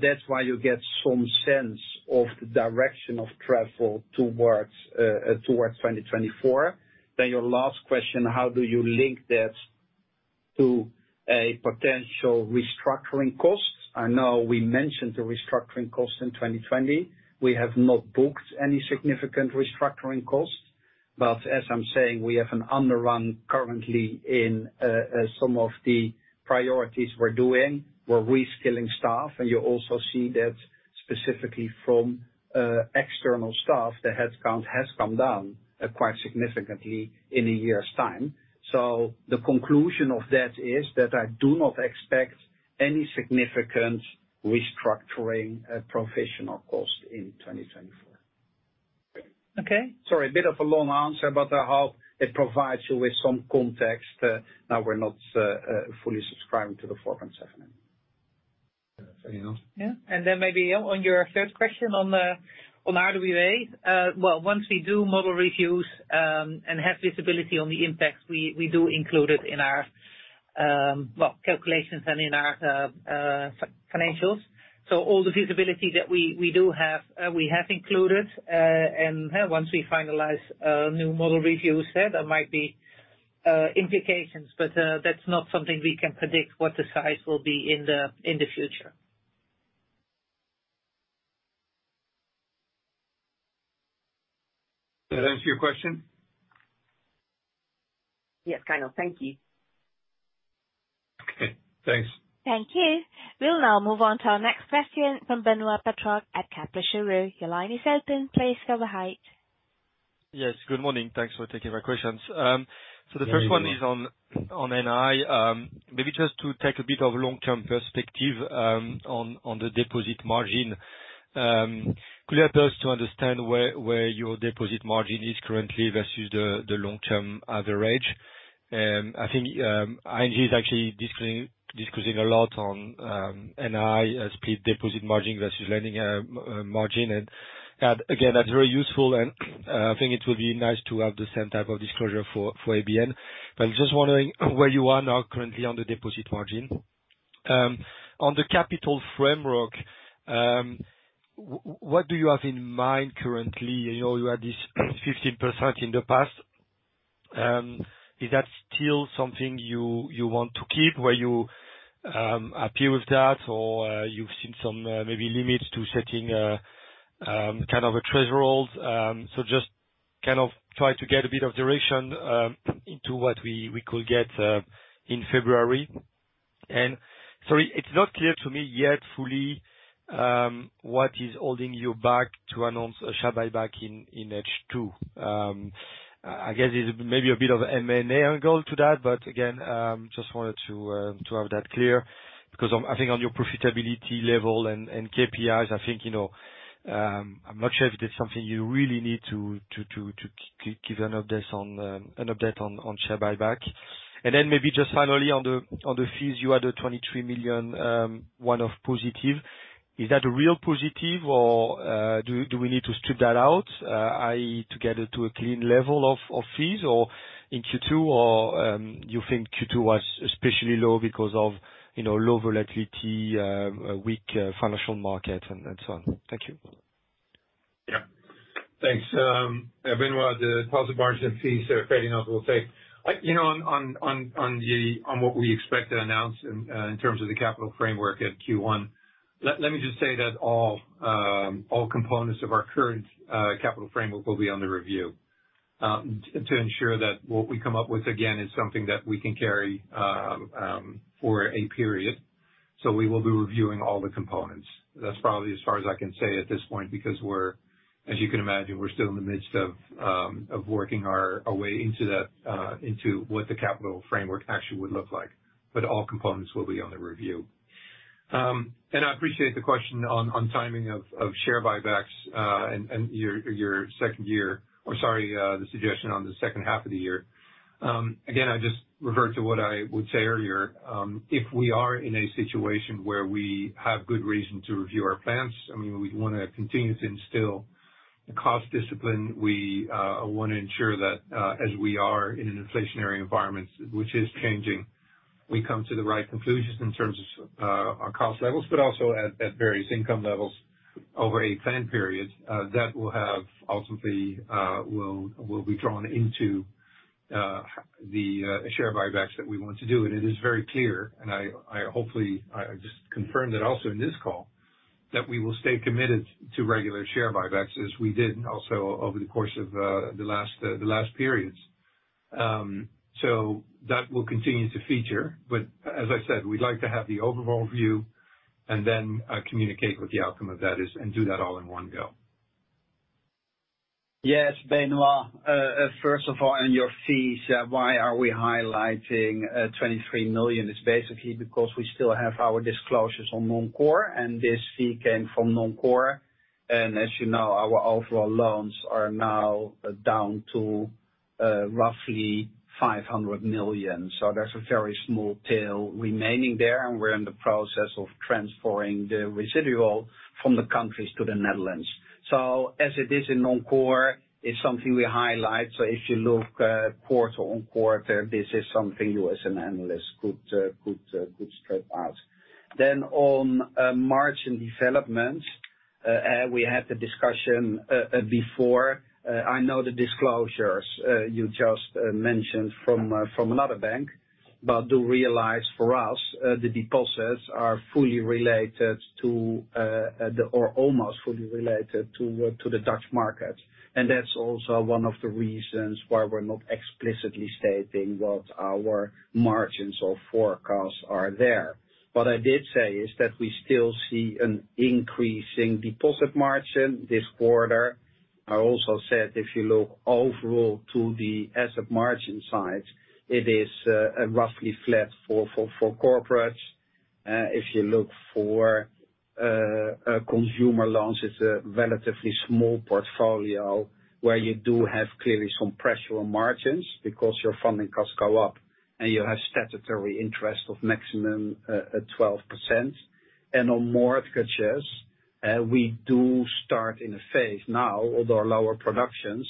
That's why you get some sense of the direction of travel towards towards 2024. Your last question, how do you link that to a potential restructuring cost? I know we mentioned the restructuring cost in 2020. We have not booked any significant restructuring costs, but as I'm saying, we have an underrun currently in some of the priorities we're doing. We're reskilling staff, and you also see that specifically from external staff, the headcount has come down quite significantly in a year's time. So the conclusion of that is that I do not expect any significant restructuring professional cost in 2024. Okay. Sorry, a bit of a long answer, but I hope it provides you with some context. Now, we're not fully subscribing to the 4.7.... Maybe on your third question on the, on RWA, well, once we do model reviews, and have visibility on the impacts, we, we do include it in our, well, calculations and in our financials. All the visibility that we, we do have, we have included, and once we finalize a new model review set, there might be implications, but that's not something we can predict what the size will be in the, in the future. Does that answer your question? Yes, kind of. Thank you. Okay, thanks. Thank you. We'll now move on to our next question from Benoît Pétrarque at Kepler Cheuvreux. Your line is open. Please go ahead. Yes, good morning. Thanks for taking my questions. The first one is on, on NI. Maybe just to take a bit of long-term perspective, on, on the deposit margin. Clear to us to understand where, where your deposit margin is currently versus the, the long-term average. I think, ING is actually disclosing a lot on, NI as pre-deposit margin versus lending, margin. That's very useful, and I think it will be nice to have the same type of disclosure for, for ABN. I'm just wondering where you are now currently on the deposit margin. On the capital framework, what do you have in mind currently? I know you had this 15% in the past. Is that still something you, you want to keep, where you, happy with that, or, you've seen some, maybe limits to setting, kind of a threshold? Just kind of try to get a bit of direction, into what we, we could get, in February. Sorry, it's not clear to me yet fully, what is holding you back to announce a share buyback in, in H2. I guess it's maybe a bit of an M&A angle to that, but again, just wanted to, to have that clear, because I think on your profitability level and, and KPIs, I think, you know, I'm not sure if it is something you really need to, to, to, to, give an update on, an update on, on share buyback. Then maybe just finally on the, on the fees, you had a 23 million one-off positive. Is that a real positive or do, do we need to strip that out, i.e., to get it to a clean level of, of fees or in Q2, or you think Q2 was especially low because of, you know, low volatility, a weak, financial market and, and so on? Thank you. Yeah. Thanks, Benoit, the deposit margin fees are fair enough, we'll say. I. You know, on, on, on, on the, on what we expect to announce in terms of the capital framework at Q1, let, let me just say that all components of our current capital framework will be under review to ensure that what we come up with again, is something that we can carry for a period. We will be reviewing all the components. That's probably as far as I can say at this point, because we're, as you can imagine, we're still in the midst of working our, our way into that, into what the capital framework actually would look like, all components will be on the review. I appreciate the question on, on timing of, of share buybacks, and, and your, your second year, or sorry, the suggestion on the second half of the year. Again, I just revert to what I would say earlier. If we are in a situation where we have good reason to review our plans, I mean, we want to continue to instill the cost discipline. We want to ensure that, as we are in an inflationary environment, which is changing, we come to the right conclusions in terms of, our cost levels, but also at, at various income levels over a plan period, that will have ultimately, will, will be drawn into, the, share buybacks that we want to do. It is very clear, and I, I hopefully, I, I just confirmed it also in this call, that we will stay committed to regular share buybacks, as we did also over the course of the last, the last periods. That will continue to feature, but as I said, we'd like to have the overall view and then communicate what the outcome of that is and do that all in one go. Yes, Benoit, first of all, on your fees, why are we highlighting 23 million? It's basically because we still have our disclosures on non-core, and this fee came from non-core. And as you know, our overall loans are now down to roughly 500 million. So there's a very small tail remaining there, and we're in the process of transferring the residual from the countries to the Netherlands. So as it is a non-core, it's something we highlight. So if you look, quarter on quarter, this is something you as an analyst could, could, could strip out. Then on margin development, we had the discussion before. I know the disclosures, you just mentioned from, from another bank, but do realize for us, the deposits are fully related to, or almost fully related to, to the Dutch market. That's also one of the reasons why we're not explicitly stating what our margins or forecasts are there. What I did say is that we still see an increasing deposit margin this quarter. I also said, if you look overall to the asset margin side, it is roughly flat for, for, for corporates. If you look for, a consumer loans, it's a relatively small portfolio where you do have clearly some pressure on margins because your funding costs go up and you have statutory interest of maximum, at 12%. On mortgages, we do start in a phase now, although lower productions,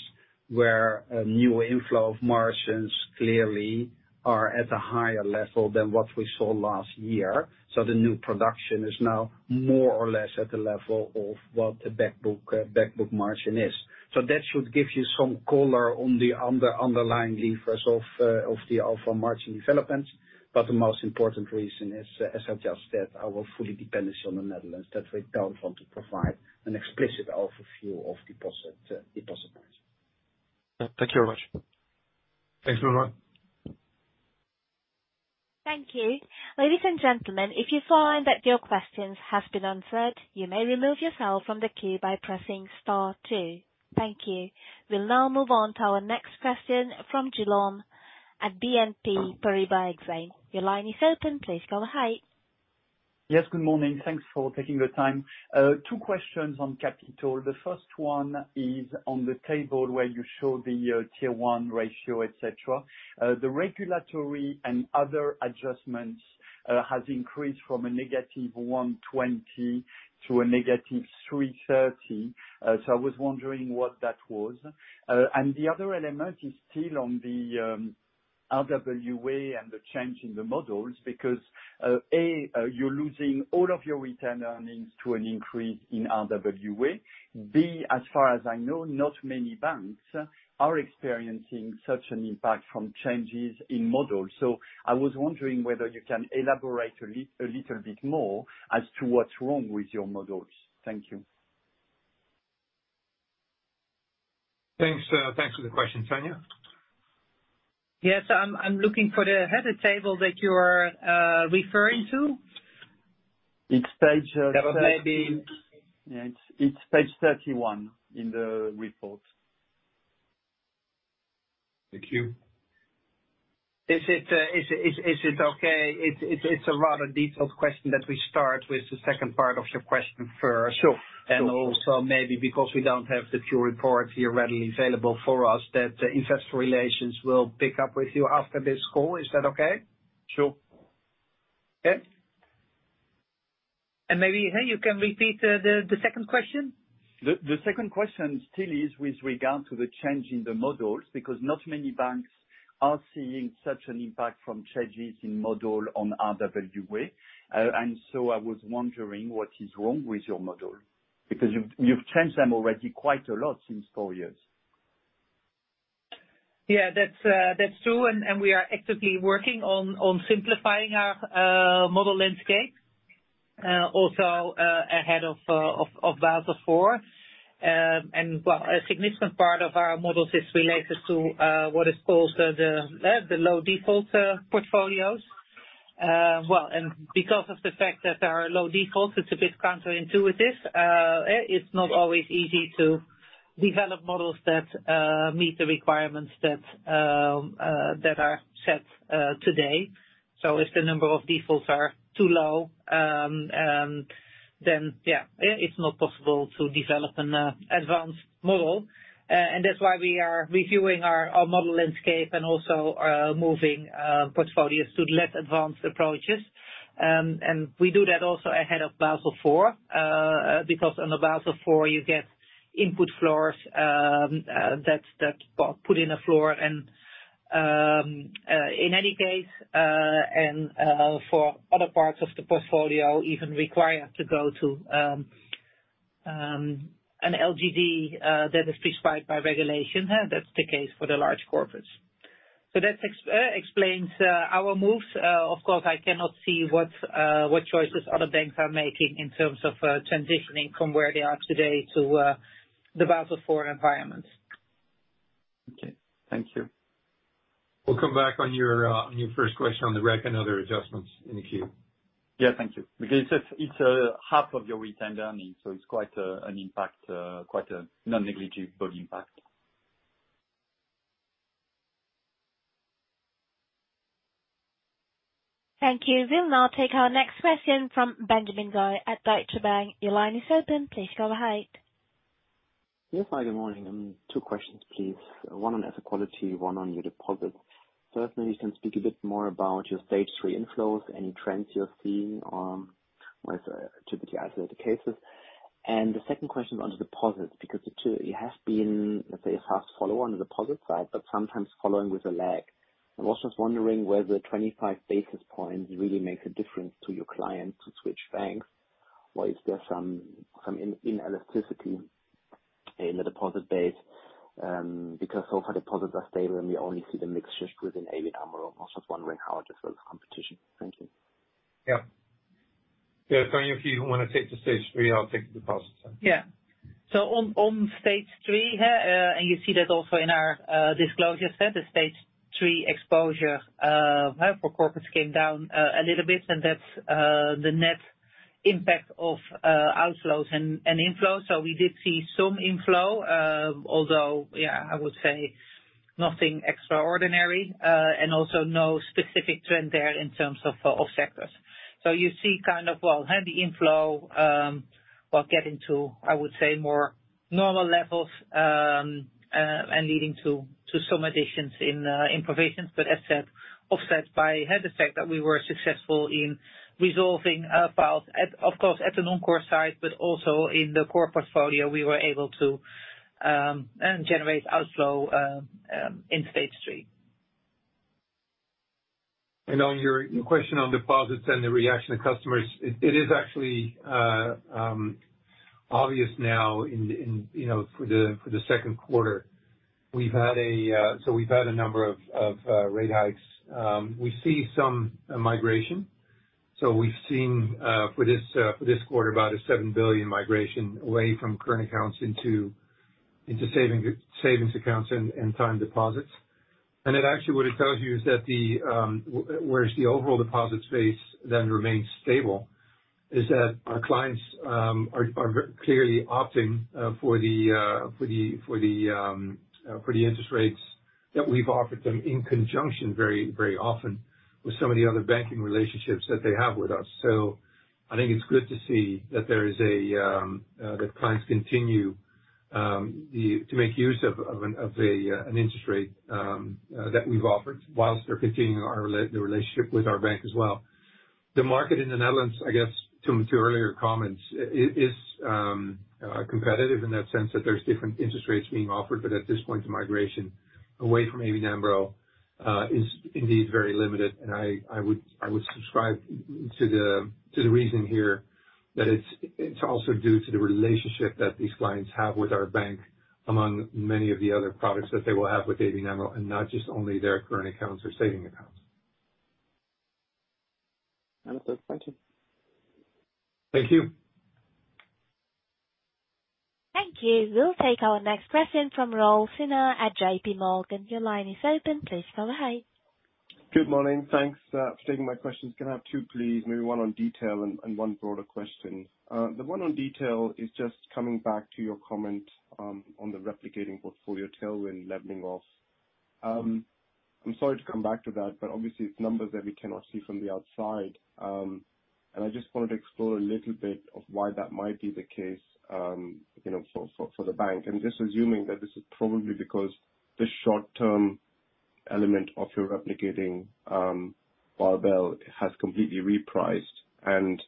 where a new inflow of margins clearly are at a higher level than what we saw last year. The new production is now more or less at the level of what the back book back book margin is. That should give you some color on the underlying levers of the alpha margin development. The most important reason is, as I just said, our fully dependence on the Netherlands, that we don't want to provide an explicit overview of deposit deposit margin. Thank you very much. Thanks, Benoit. Thank you. Ladies and gentlemen, if you find that your questions has been answered, you may remove yourself from the queue by pressing star two. Thank you. We'll now move on to our next question from Gelong at BNP Paribas Exane. Your line is open. Please go ahead. Yes, good morning. Thanks for taking the time. Two questions on capital. The first one is on the table where you show the Tier 1 ratio, et cetera. The regulatory and other adjustments has increased from a -120 to -330. I was wondering what that was. The other element is still on the RWA and the change in the models, because A, you're losing all of your return earnings to an increase in RWA. B, as far as I know, not many banks are experiencing such an impact from changes in models. So I was wondering whether you can elaborate a little bit more as to what's wrong with your models. Thank you. Thanks, thanks for the question. Tanja? Yes. I'm looking for the header table that you're referring to. It's page, maybe- Yeah, it's, it's page 31 in the report. Thank you. Is it okay, it's a rather detailed question that we start with the second part of your question first? Sure. Also, maybe because we don't have the full report here readily available for us, that the investor relations will pick up with you after this call. Is that okay? Sure. Okay. Maybe, hey, you can repeat, the, the second question? The second question still is with regard to the change in the models, because not many banks are seeing such an impact from changes in model on RWA. I was wondering what is wrong with your model, because you've, you've changed them already quite a lot since four years? Yeah, that's, that's true, and we are actively working on simplifying our model landscape, also, ahead of Basel IV. Well, a significant part of our models is related to what is called the low default portfolios. Well, because of the fact that there are low defaults, it's a bit counterintuitive. It's not always easy to develop models that meet the requirements that are set today. If the number of defaults are too low, then, yeah, it's not possible to develop an advanced model. That's why we are reviewing our model landscape and also, moving portfolios to less advanced approaches. We do that also ahead of Basel IV, because on the Basel IV, you get input floors, that put in the floor and in any case, and for other parts of the portfolio, even require to go to an LGD that is prescribed by regulation, that's the case for the large corporates. That explains our moves. Of course, I cannot see what choices other banks are making in terms of transitioning from where they are today to the Basel IV environment. Okay. Thank you. We'll come back on your, on your first question on the rec and other adjustments in the queue. Yeah. Thank you. Because it's, it's a half of your return earnings, so it's quite an impact, quite a non-negligible impact. Thank you. We'll now take our next question from Benjamin Goy at Deutsche Bank. Your line is open. Please go ahead. Yes. Hi, good morning. Two questions, please. One on asset quality, one on your deposits. First, maybe you can speak a bit more about your stage 3 inflows, any trends you're seeing on whether typically isolated cases. The second question on deposits, because you two, you have been, let's say, a fast follower on the deposit side, but sometimes following with a lag. I was just wondering whether 25 basis points really makes a difference to your clients to switch banks, or is there some inelasticity in the deposit base? Because so far, deposits are stable, and we only see the mixtures within ABN AMRO. I was just wondering how it affects competition. Thank you. Yeah. Yeah, Tanja, if you want to take the stage 3, I'll take the deposits. Yeah. So on, on stage 3, and you see that also in our disclosure set, the stage 3 exposure for corporates came down a little bit, and that's the net impact of outflows and inflows. We did see some inflow, although, yeah, I would say nothing extraordinary, and also no specific trend there in terms of sectors. You see kind of, well, heavy inflow, while getting to, I would say, more normal levels, and leading to, to some additions in provisions, but as said, offset by the fact that we were successful in resolving files at, of course, at the non-core site, but also in the core portfolio, we were able to generate outflow in stage 3. On your, your question on deposits and the reaction of customers, it, it is actually obvious now in, in, you know, for the, for the second quarter, we've had a. We've had a number of, of rate hikes. We see some migration. We've seen for this, for this quarter, about a 7 billion migration away from current accounts into, into saving, savings accounts and, and time deposits. It actually, what it tells you is that the, whereas the overall deposit space then remains stable, is that our clients are, are clearly opting for the, for the, for the, for the interest rates that we've offered them in conjunction very, very often with some of the other banking relationships that they have with us. I think it's good to see that there is that clients continue to make use of an interest rate that we've offered whilst they're continuing the relationship with our bank as well. The market in the Netherlands, I guess, to earlier comments, is competitive in that sense that there's different interest rates being offered, but at this point, the migration away from ABN AMRO is indeed very limited. I, I would, I would subscribe to the reason here that it's also due to the relationship that these clients have with our bank, among many of the other products that they will have with ABN AMRO, and not just only their current accounts or savings accounts. That's good. Thank you. Thank you. Thank you. We'll take our next question from Rahul Sinha at JP Morgan. Your line is open. Please go ahead. Good morning. Thanks for taking my questions. Can I have two, please? Maybe one on detail and one broader question. The one on detail is just coming back to your comment on the replicating portfolio tailwind leveling off. I'm sorry to come back to that, but obviously, it's numbers that we cannot see from the outside. I just wanted to explore a little bit of why that might be the case, you know, for the bank. I'm just assuming that this is probably because the short-term element of your replicating barbell has completely repriced, and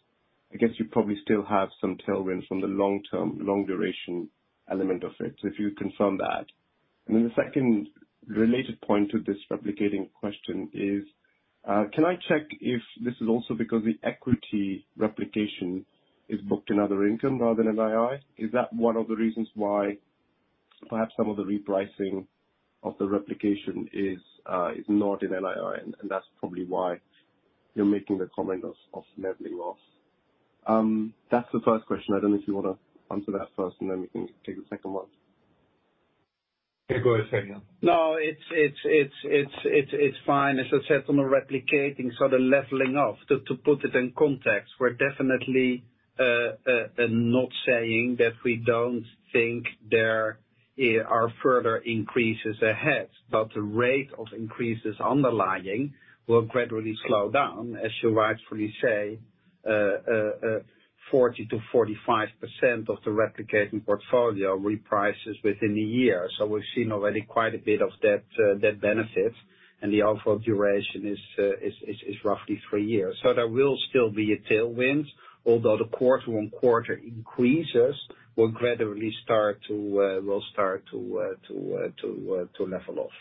I guess you probably still have some tailwind from the long-term, long-duration element of it. If you confirm that? The second related point to this replicating question is, can I check if this is also because the equity replication is booked in other income rather than NII? Is that one of the reasons why perhaps some of the repricing of the replication is not in NII, and that's probably why you're making the comment of leveling off? That's the first question. I don't know if you want to answer that first, and then we can take the second one. Yeah, go ahead, Daniel. No, it's fine. As I said, on the replicating, so the leveling off, to, to put it in context, we're definitely not saying that we don't think there are further increases ahead, but the rate of increases underlying will gradually slow down. As you rightfully say, 40% to 45% of the replicating portfolio reprices within a year, so we've seen already quite a bit of that benefit, and the outflow duration is roughly 3 years. There will still be a tailwind, although the quarter on quarter increases will gradually start to will start to level off.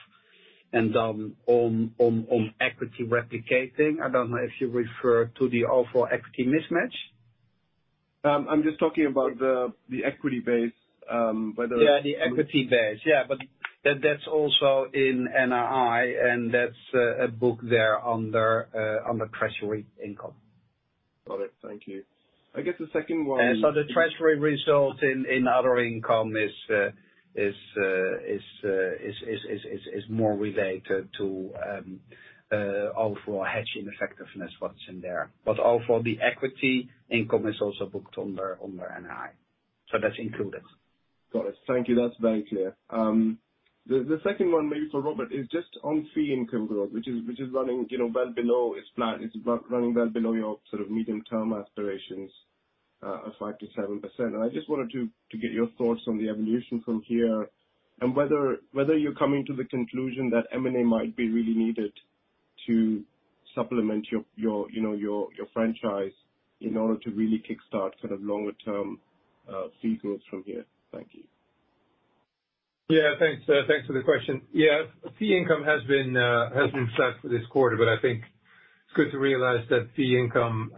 On, on, on equity replicating, I don't know if you refer to the outflow equity mismatch? I'm just talking about the, the equity base, whether. Yeah, the equity base. Yeah, but that's also in NII, and that's a book there under under Treasury income. Got it. Thank you. I guess the second one- The Treasury result in, in other income is more related to outflow hedge ineffectiveness, what's in there. Outflow, the equity income is also booked under, under NII. That's included. Got it. Thank you. That's very clear. The, the second one, maybe for Robert, is just on fee income growth, which is, which is running, you know, well below its plan. It's running well below your sort of medium-term aspirations, of 5%-7%. I just wanted to, to get your thoughts on the evolution from here and whether, whether you're coming to the conclusion that M&A might be really needed to supplement your, your, you know, your, your franchise in order to really kick-start sort of longer-term, fee growth from here. Thank you. Yeah, thanks. Thanks for the question. Yeah, fee income has been flat for this quarter, but I think it's good to realize that fee income,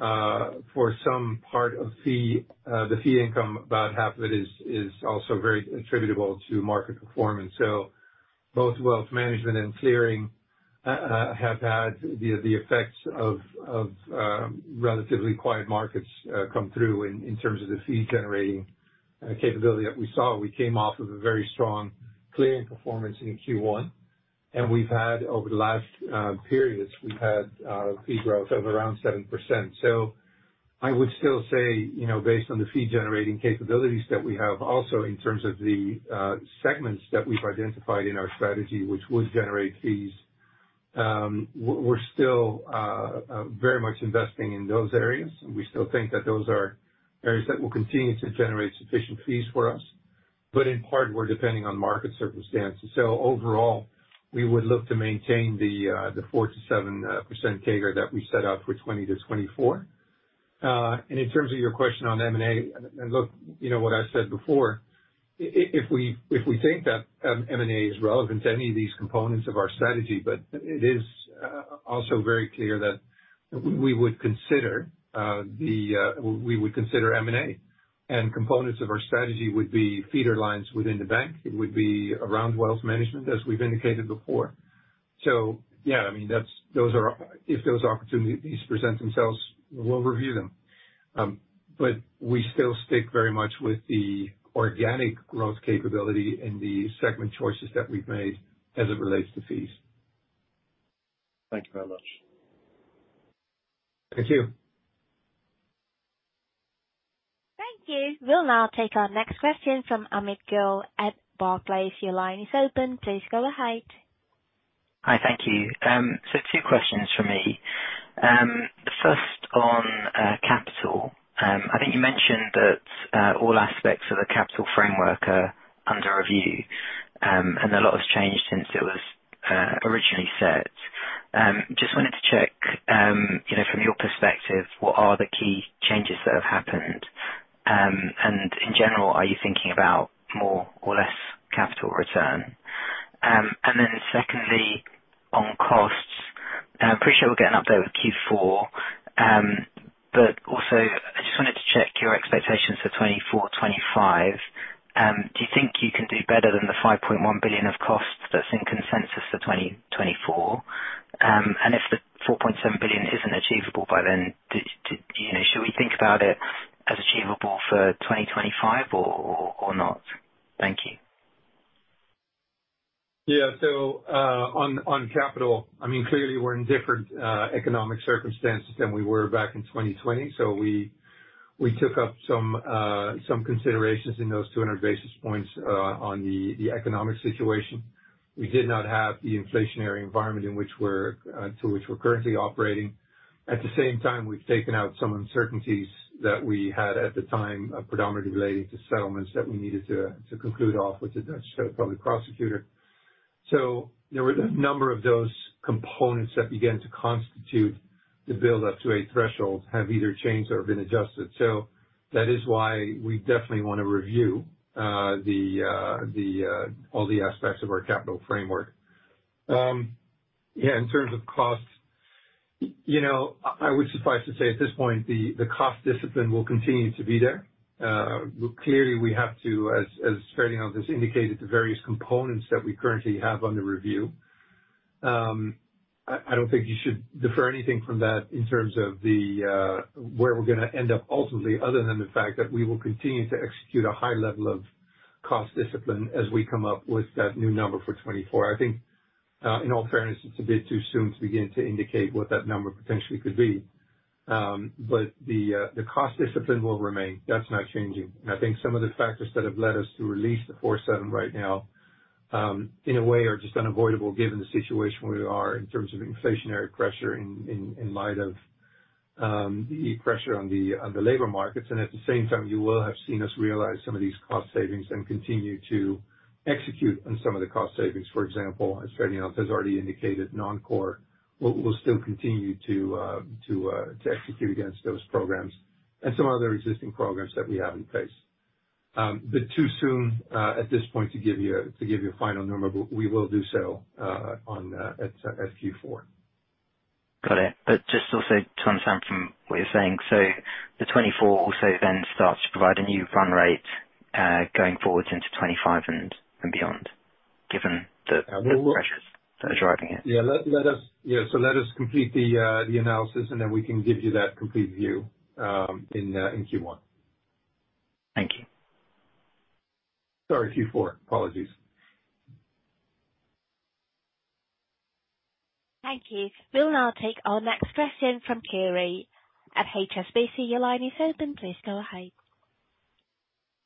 for some part of fee, the fee income, about half of it is, is also very attributable to market performance. Both Wealth Management and clearing, have had the, the effects of, of, relatively quiet markets, come through in, in terms of the fee-generating, capability that we saw. We came off of a very strong clearing performance in Q1, and we've had, over the last periods, we've had fee growth of around 7%. I would still say, you know, based on the fee generating capabilities that we have also in terms of the segments that we've identified in our strategy, which would generate fees, we're still very much investing in those areas, and we still think that those are areas that will continue to generate sufficient fees for us, but in part, we're depending on market circumstances. Overall, we would look to maintain the 4%-7% CAGR that we set out for 2020-2024. In terms of your question on M&A, and look, you know what I said before, if we think that M&A is relevant to any of these components of our strategy, but it is also very clear that we would consider the... We would consider M&A, and components of our strategy would be feeder lines within the bank. It would be around wealth management, as we've indicated before. Yeah, I mean, that's, those are if those opportunities present themselves, we'll review them. We still stick very much with the organic growth capability and the segment choices that we've made as it relates to fees. Thank you very much. Thank you. Thank you. We'll now take our next question from Amrit Gill at Barclays. Your line is open. Please go ahead. Hi. Thank you. Two questions from me. First on capital. I think you mentioned that all aspects of the capital framework are under review, and a lot has changed since it was originally set. Just wanted to check, you know, from your perspective, what are the key changes that have happened? In general, are you thinking about more or less capital return? Secondly, on costs, I'm pretty sure we'll get an update with Q4. Also, I just wanted to check your expectations for 2024, 2025. Do you think you can do better than the 5.1 billion of costs that's in consensus for 2024? If the 4.7 billion isn't achievable by then, you know, should we think about it as achievable for 2025 or, or, or not? Thank you. On, on capital, I mean, clearly we're in different economic circumstances than we were back in 2020. We, we took up some, some considerations in those 200 basis points on the economic situation. We did not have the inflationary environment in which we're, to which we're currently operating. At the same time, we've taken out some uncertainties that we had at the time, predominantly related to settlements that we needed to, to conclude off with the Dutch public prosecutor. There were a number of those components that began to constitute, to build up to a threshold, have either changed or been adjusted. That is why we definitely want to review, the, the, all the aspects of our capital framework. Yeah, in terms of costs, you know, I would suffice to say, at this point, the, the cost discipline will continue to be there. Clearly, we have to as, as Ferdinand has indicated, the various components that we currently have under review. I, I don't think you should defer anything from that in terms of the, where we're going to end up ultimately, other than the fact that we will continue to execute a high level of cost discipline as we come up with that new number for 2024. I think, in all fairness, it's a bit too soon to begin to indicate what that number potentially could be. But the, the cost discipline will remain. That's not changing. I think some of the factors that have led us to release the 47 right now, in a way, are just unavoidable given the situation we are in terms of inflationary pressure in light of the pressure on the labor markets. At the same time, you will have seen us realize some of these cost savings and continue to execute on some of the cost savings. For example, as Ferdinand has already indicated, non-core, we'll still continue to execute against those programs and some other existing programs that we have in place. But too soon, at this point to give you a final number, but we will do so, on, at Q4. Got it. Just also to understand from what you're saying, so the 2024 also then starts to provide a new run rate, going forward into 2025 and, and beyond, given the. We will- pressures that are driving it. Yeah. Let us complete the analysis, and then we can give you that complete view in Q1. Thank you. Sorry, Q4. Apologies. Thank you. We'll now take our next question from Carey at HSBC. Your line is open. Please go ahead.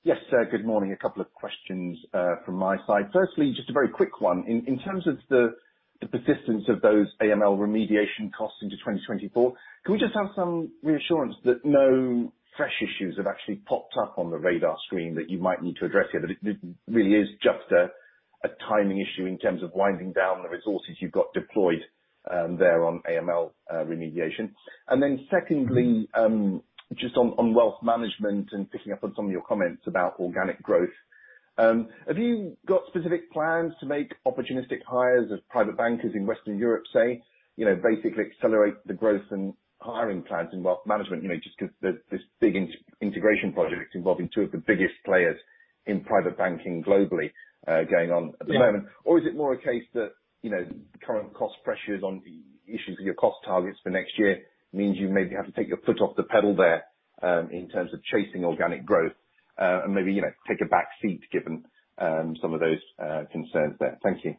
Yes, good morning. A couple of questions from my side. Firstly, just a very quick one. In, in terms of the, the persistence of those AML remediation costs into 2024, can we just have some reassurance that no fresh issues have actually popped up on the radar screen that you might need to address here? That it really is just a timing issue in terms of winding down the resources you've got deployed there on AML remediation. Secondly, just on Wealth Management and picking up on some of your comments about organic growth. Have you got specific plans to make opportunistic hires of private bankers in Western Europe, say, you know, basically accelerate the growth and hiring plans in Wealth Management? You know, just because there's this big integration project involving two of the biggest players in private banking globally, going on at the moment. Yeah. Is it more a case that, you know, current cost pressures on issues with your cost targets for next year means you maybe have to take your foot off the pedal there, in terms of chasing organic growth, and maybe, you know, take a backseat given some of those concerns there? Thank you.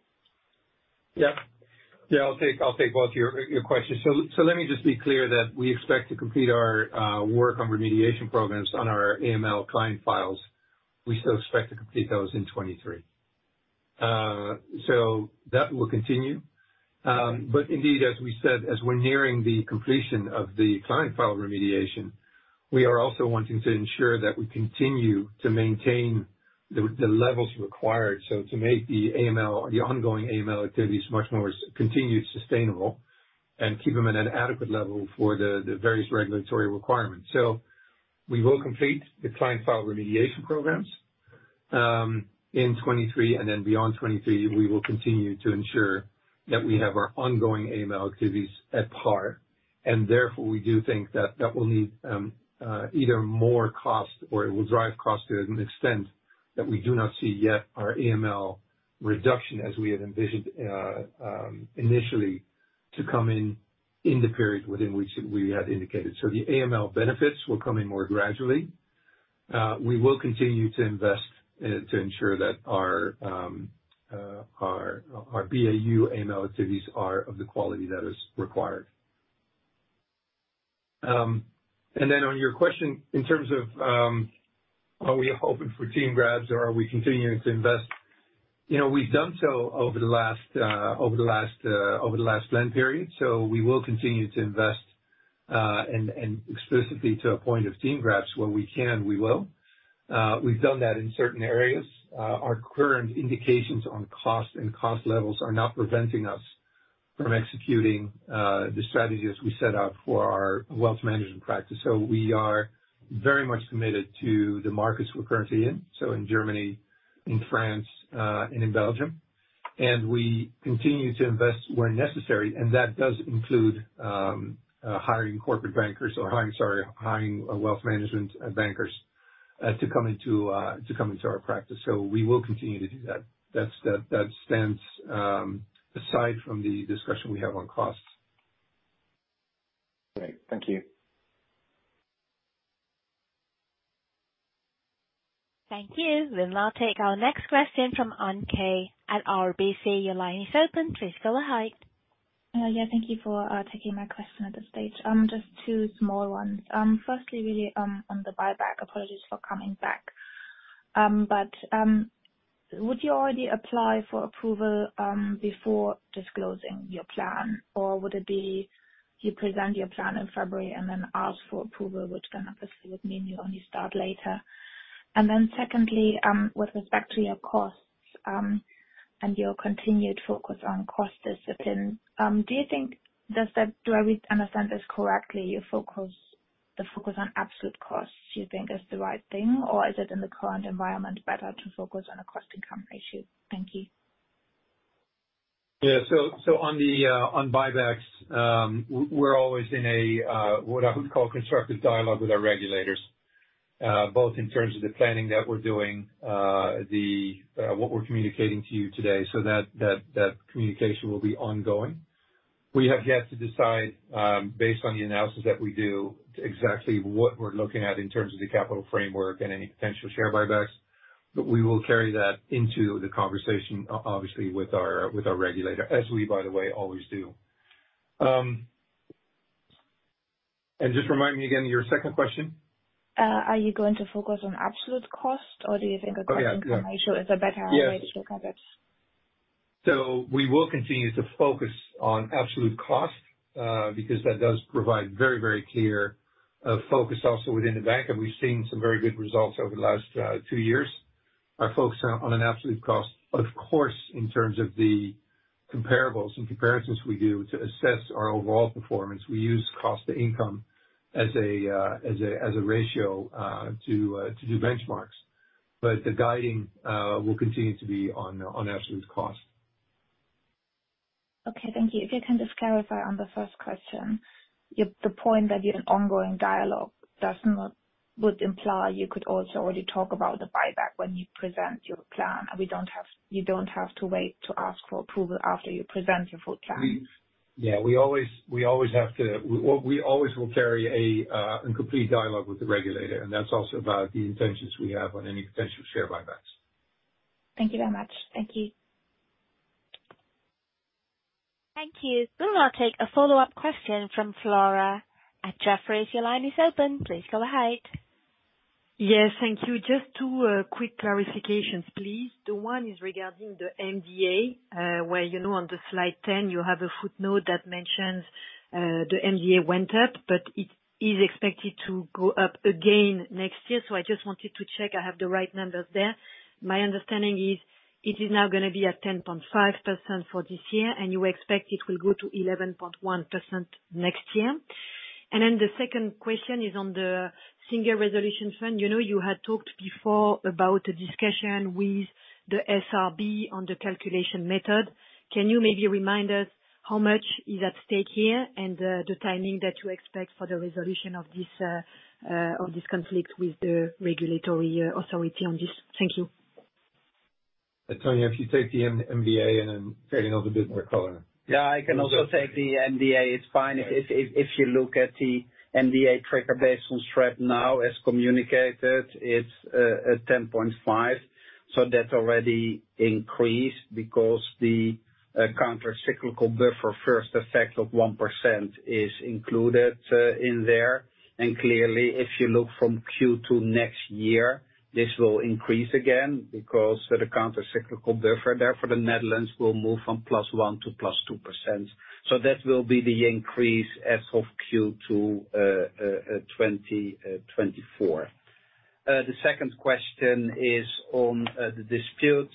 Yep. Yeah, I'll take, I'll take both your, your questions. Let me just be clear that we expect to complete our work on remediation programs on our AML client files. We still expect to complete those in 2023. That will continue. Indeed, as we said, as we're nearing the completion of the client file remediation, we are also wanting to ensure that we continue to maintain the levels required, so to make the AML, the ongoing AML activities much more continued sustainable and keep them at an adequate level for the various regulatory requirements. We will complete the client file remediation programs in 2023, and then beyond 2023, we will continue to ensure that we have our ongoing AML activities at par. Therefore, we do think that that will need either more cost or it will drive cost to an extent that we do not see yet our AML reduction as we had envisioned initially to come in, in the period within which we had indicated. The AML benefits will come in more gradually. We will continue to invest to ensure that our BAU AML activities are of the quality that is required. Then on your question, in terms of, are we open for team grabs or are we continuing to invest? You know, we've done so over the last over the last over the last plan period, so we will continue to invest and, and explicitly to a point of team grabs. Where we can, we will. We've done that in certain areas. Our current indications on cost and cost levels are not preventing us from executing the strategy as we set out for our Wealth Management practice. We are very much committed to the markets we're currently in, so in Germany, in France, and in Belgium. We continue to invest where necessary, and that does include hiring corporate bankers or hiring, sorry, hiring Wealth Management bankers to come into our practice. We will continue to do that. That's, that stands aside from the discussion we have on costs. Great. Thank you. Thank you. We'll now take our next question from Anne Khan at RBC. Your line is open. Please go ahead. Yeah, thank you for taking my question at this stage. Just 2 small ones. Firstly, really, on the buyback. Apologies for coming back. Would you already apply for approval before disclosing your plan, or would it be you present your plan in February and then ask for approval, which then obviously would mean you only start later? Secondly, with respect to your costs and your continued focus on cost discipline, do you think do I understand this correctly, your focus, the focus on absolute costs do you think is the right thing, or is it in the current environment better to focus on a cost-to-income ratio? Thank you. On the on buybacks, we're always in a what I would call constructive dialogue with our regulators, both in terms of the planning that we're doing, the what we're communicating to you today, so that, that, that communication will be ongoing. We have yet to decide, based on the analysis that we do, exactly what we're looking at in terms of the capital framework and any potential share buybacks, we will carry that into the conversation, obviously, with our, with our regulator, as we, by the way, always do. Just remind me again, your second question. Are you going to focus on absolute cost, or do you think- Oh, yeah, yeah. a cost to income ratio is a better way to look at it? Yes. We will continue to focus on absolute cost, because that does provide very, very clear focus also within the bank, and we've seen some very good results over the last 2 years. Our focus on an absolute cost, of course, in terms of the comparables and comparisons we do to assess our overall performance, we use cost to income as a, as a, as a ratio, to do benchmarks, but the guiding will continue to be on absolute cost. Okay. Thank you. If you can just clarify on the first question, the point that you're in ongoing dialogue does not... would imply you could also already talk about the buyback when you present your plan, and you don't have to wait to ask for approval after you present your full plan. Yeah, we always, we always have to. We always will carry a and complete dialogue with the regulator, and that's also about the intentions we have on any potential share buybacks. Thank you very much. Thank you. Thank you. We will now take a follow-up question from Flora at Jefferies. Your line is open. Please go ahead. Yes. Thank you. Just 2 quick clarifications, please. The one is regarding the MDA, where, you know, on the Slide 10, you have a footnote that mentions the MDA went up, but it is expected to go up again next year. I just wanted to check I have the right numbers there. My understanding is it is now going to be at 10.5% for this year, and you expect it will go to 11.1% next year. Then the second question is on the Single Resolution Fund. You know, you had talked before about a discussion with the SRB on the calculation method. Can you maybe remind us how much is at stake here and the timing that you expect for the resolution of this conflict with the regulatory authority on this? Thank you. Tanja, if you take the MDA, and then maybe another bit more color. Yeah, I can also take the MDA. It's fine. If, if, if you look at the MDA trigger based on SREP now, as communicated, it's at 10.5. That already increased because the Countercyclical Capital Buffer first effect of 1% is included in there. Clearly, if you look from Q2 next year, this will increase again because the Countercyclical Capital Buffer there for the Netherlands will move from +1 to +2%. That will be the increase as of Q2 2024. The second question is on the disputes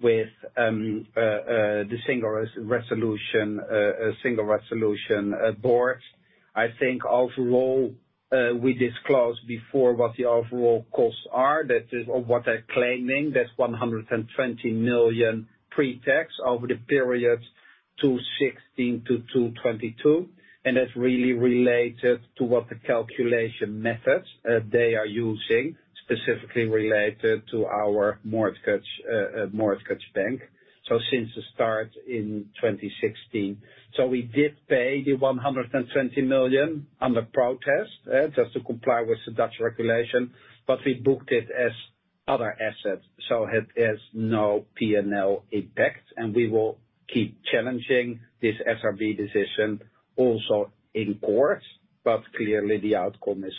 with the Single Resolution Board. I think overall, we disclosed before what the overall costs are. That is, or what they're claiming, that's 120 million pre-tax over the period 2016-2022, and that's really related to what the calculation methods they are using, specifically related to our mortgage, mortgage bank. Since the start in 2016. We did pay the 120 million on the protest just to comply with the Dutch regulation, but we booked it as other assets, so it has no PNL impact, and we will keep challenging this SRB decision also in court, but clearly the outcome is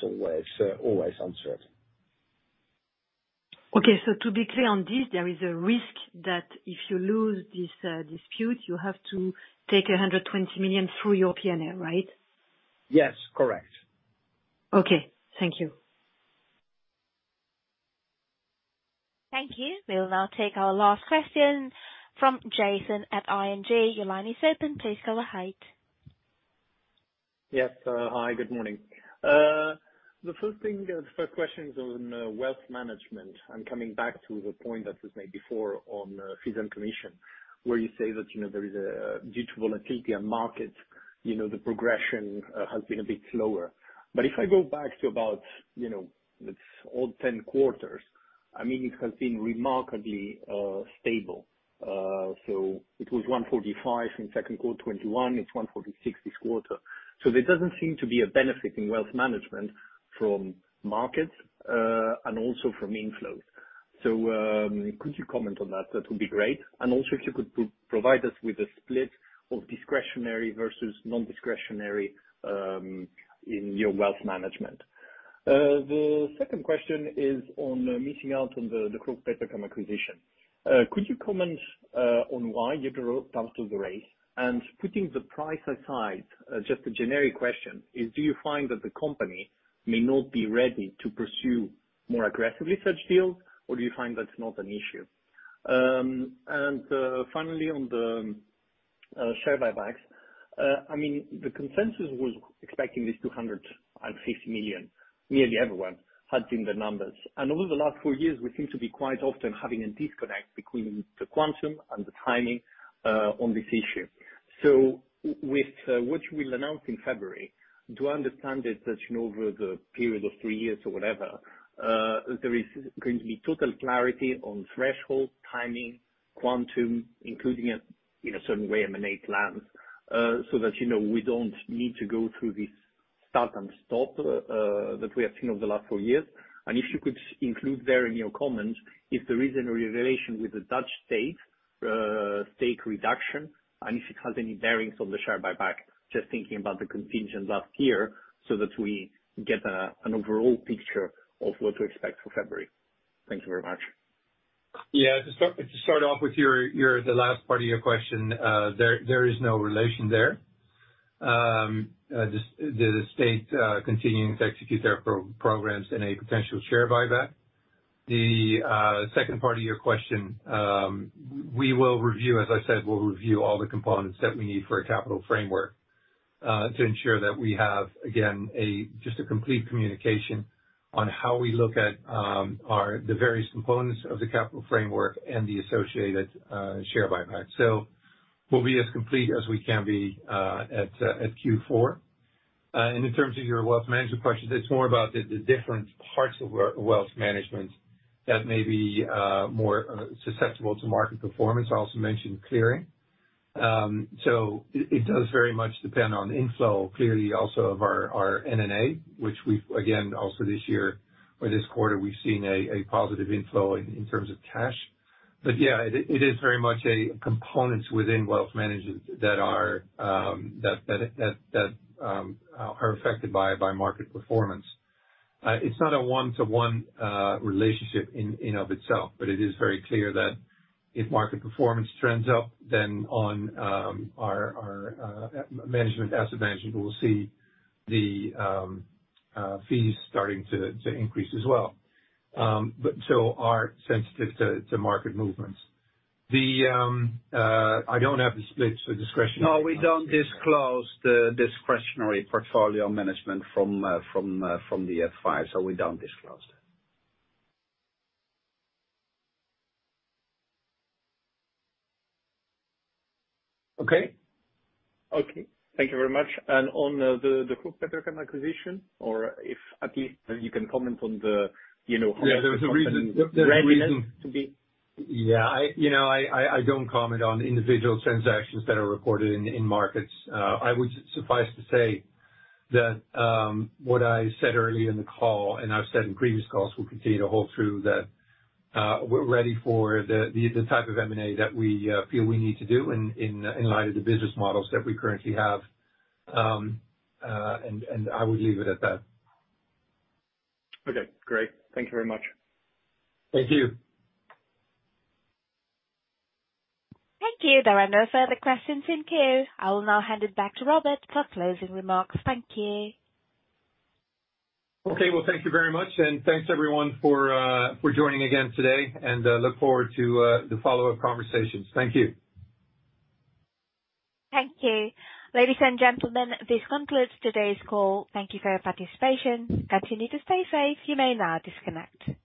always uncertain. Okay, to be clear on this, there is a risk that if you lose this dispute, you have to take 120 million through your PNL, right? Yes. Correct. Okay. Thank you. Thank you. We'll now take our last question from Jason at ING. Your line is open. Please go ahead. Yes. Hi, good morning. The first thing, the first question is on Wealth Management, coming back to the point that was made before on fees and commission, where you say that, due to volatility in markets, the progression has been a bit slower. If I go back to about, let's, all 10 quarters, it has been remarkably stable. It was 145 in second quarter 2021. It's 146 this quarter. There doesn't seem to be a benefit in Wealth Management from markets, and also from inflows. Could you comment on that? That would be great. Also, if you could provide us with a split of discretionary versus non-discretionary, in your Wealth Management. The second question is on missing out on the Hauck Aufhäuser Lampe acquisition. Could you comment on why you dropped out of the race? Putting the price aside, just a generic question is, do you find that the company may not be ready to pursue more aggressively such deals, or do you find that's not an issue? Finally, on the share buybacks, I mean, the consensus was expecting this 250 million. Nearly everyone had seen the numbers, and over the last four years, we seem to be quite often having a disconnect between the quantum and the timing on this issue. With what you will announce in February, do I understand it that, you know, over the period of three years or whatever, there is going to be total clarity on threshold, timing, quantum, including it in a certain way, M&A plans, so that, you know, we don't need to go through this start and stop that we have seen over the last four years? If you could include there in your comments, if there is any relation with the Dutch state, state reduction, and if it has any bearings on the share buyback, just thinking about the contingent last year, so that we get an overall picture of what to expect for February. Thank you very much. Yeah. To start, to start off with your, your, the last part of your question, there, there is no relation there. Just the, the state, continuing to execute their programs in a potential share buyback. The second part of your question, As I said, we'll review all the components that we need for a capital framework, to ensure that we have, again, a, just a complete communication on how we look at, our, the various components of the capital framework and the associated, share buyback. We'll be as complete as we can be, at, at Q4. In terms of your Wealth Management questions, it's more about the, the different parts of Wealth Management that may be, more, susceptible to market performance. I also mentioned clearing. It, it does very much depend on inflow, clearly also of our, our NNA, which we've, again, also this year or this quarter, we've seen a, a positive inflow in, in terms of cash. Yeah, it, it is very much a components within Wealth Management that are, that, that, that, that, are affected by, by market performance. It's not a one-to-one, relationship in of itself, it is very clear that if market performance trends up, then on, our, management, asset management, we'll see the, fees starting to, to increase as well. Are sensitive to, to market movements. The, I don't have the splits for discretionary. No, we don't disclose the discretionary portfolio management from, from, from the F5, so we don't disclose that. Okay. Okay. Thank you very much. On the Hauck Aufhäuser Lampe acquisition, or if at least you can comment on the, you know- Yeah, there's a reason, there's a reason- To be. Yeah, you know, I don't comment on individual transactions that are reported in markets. I would suffice to say that what I said earlier in the call, and I've said in previous calls, will continue to hold true, that we're ready for the type of M&A that we feel we need to do in light of the business models that we currently have. I would leave it at that. Okay, great. Thank you very much. Thank you. Thank you. There are no further questions in queue. I will now hand it back to Robert for closing remarks. Thank you. Okay, well, thank you very much, and thanks, everyone, for, for joining again today, and, look forward to, the follow-up conversations. Thank you. Thank you. Ladies and gentlemen, this concludes today's call. Thank you for your participation. Continue to stay safe. You may now disconnect.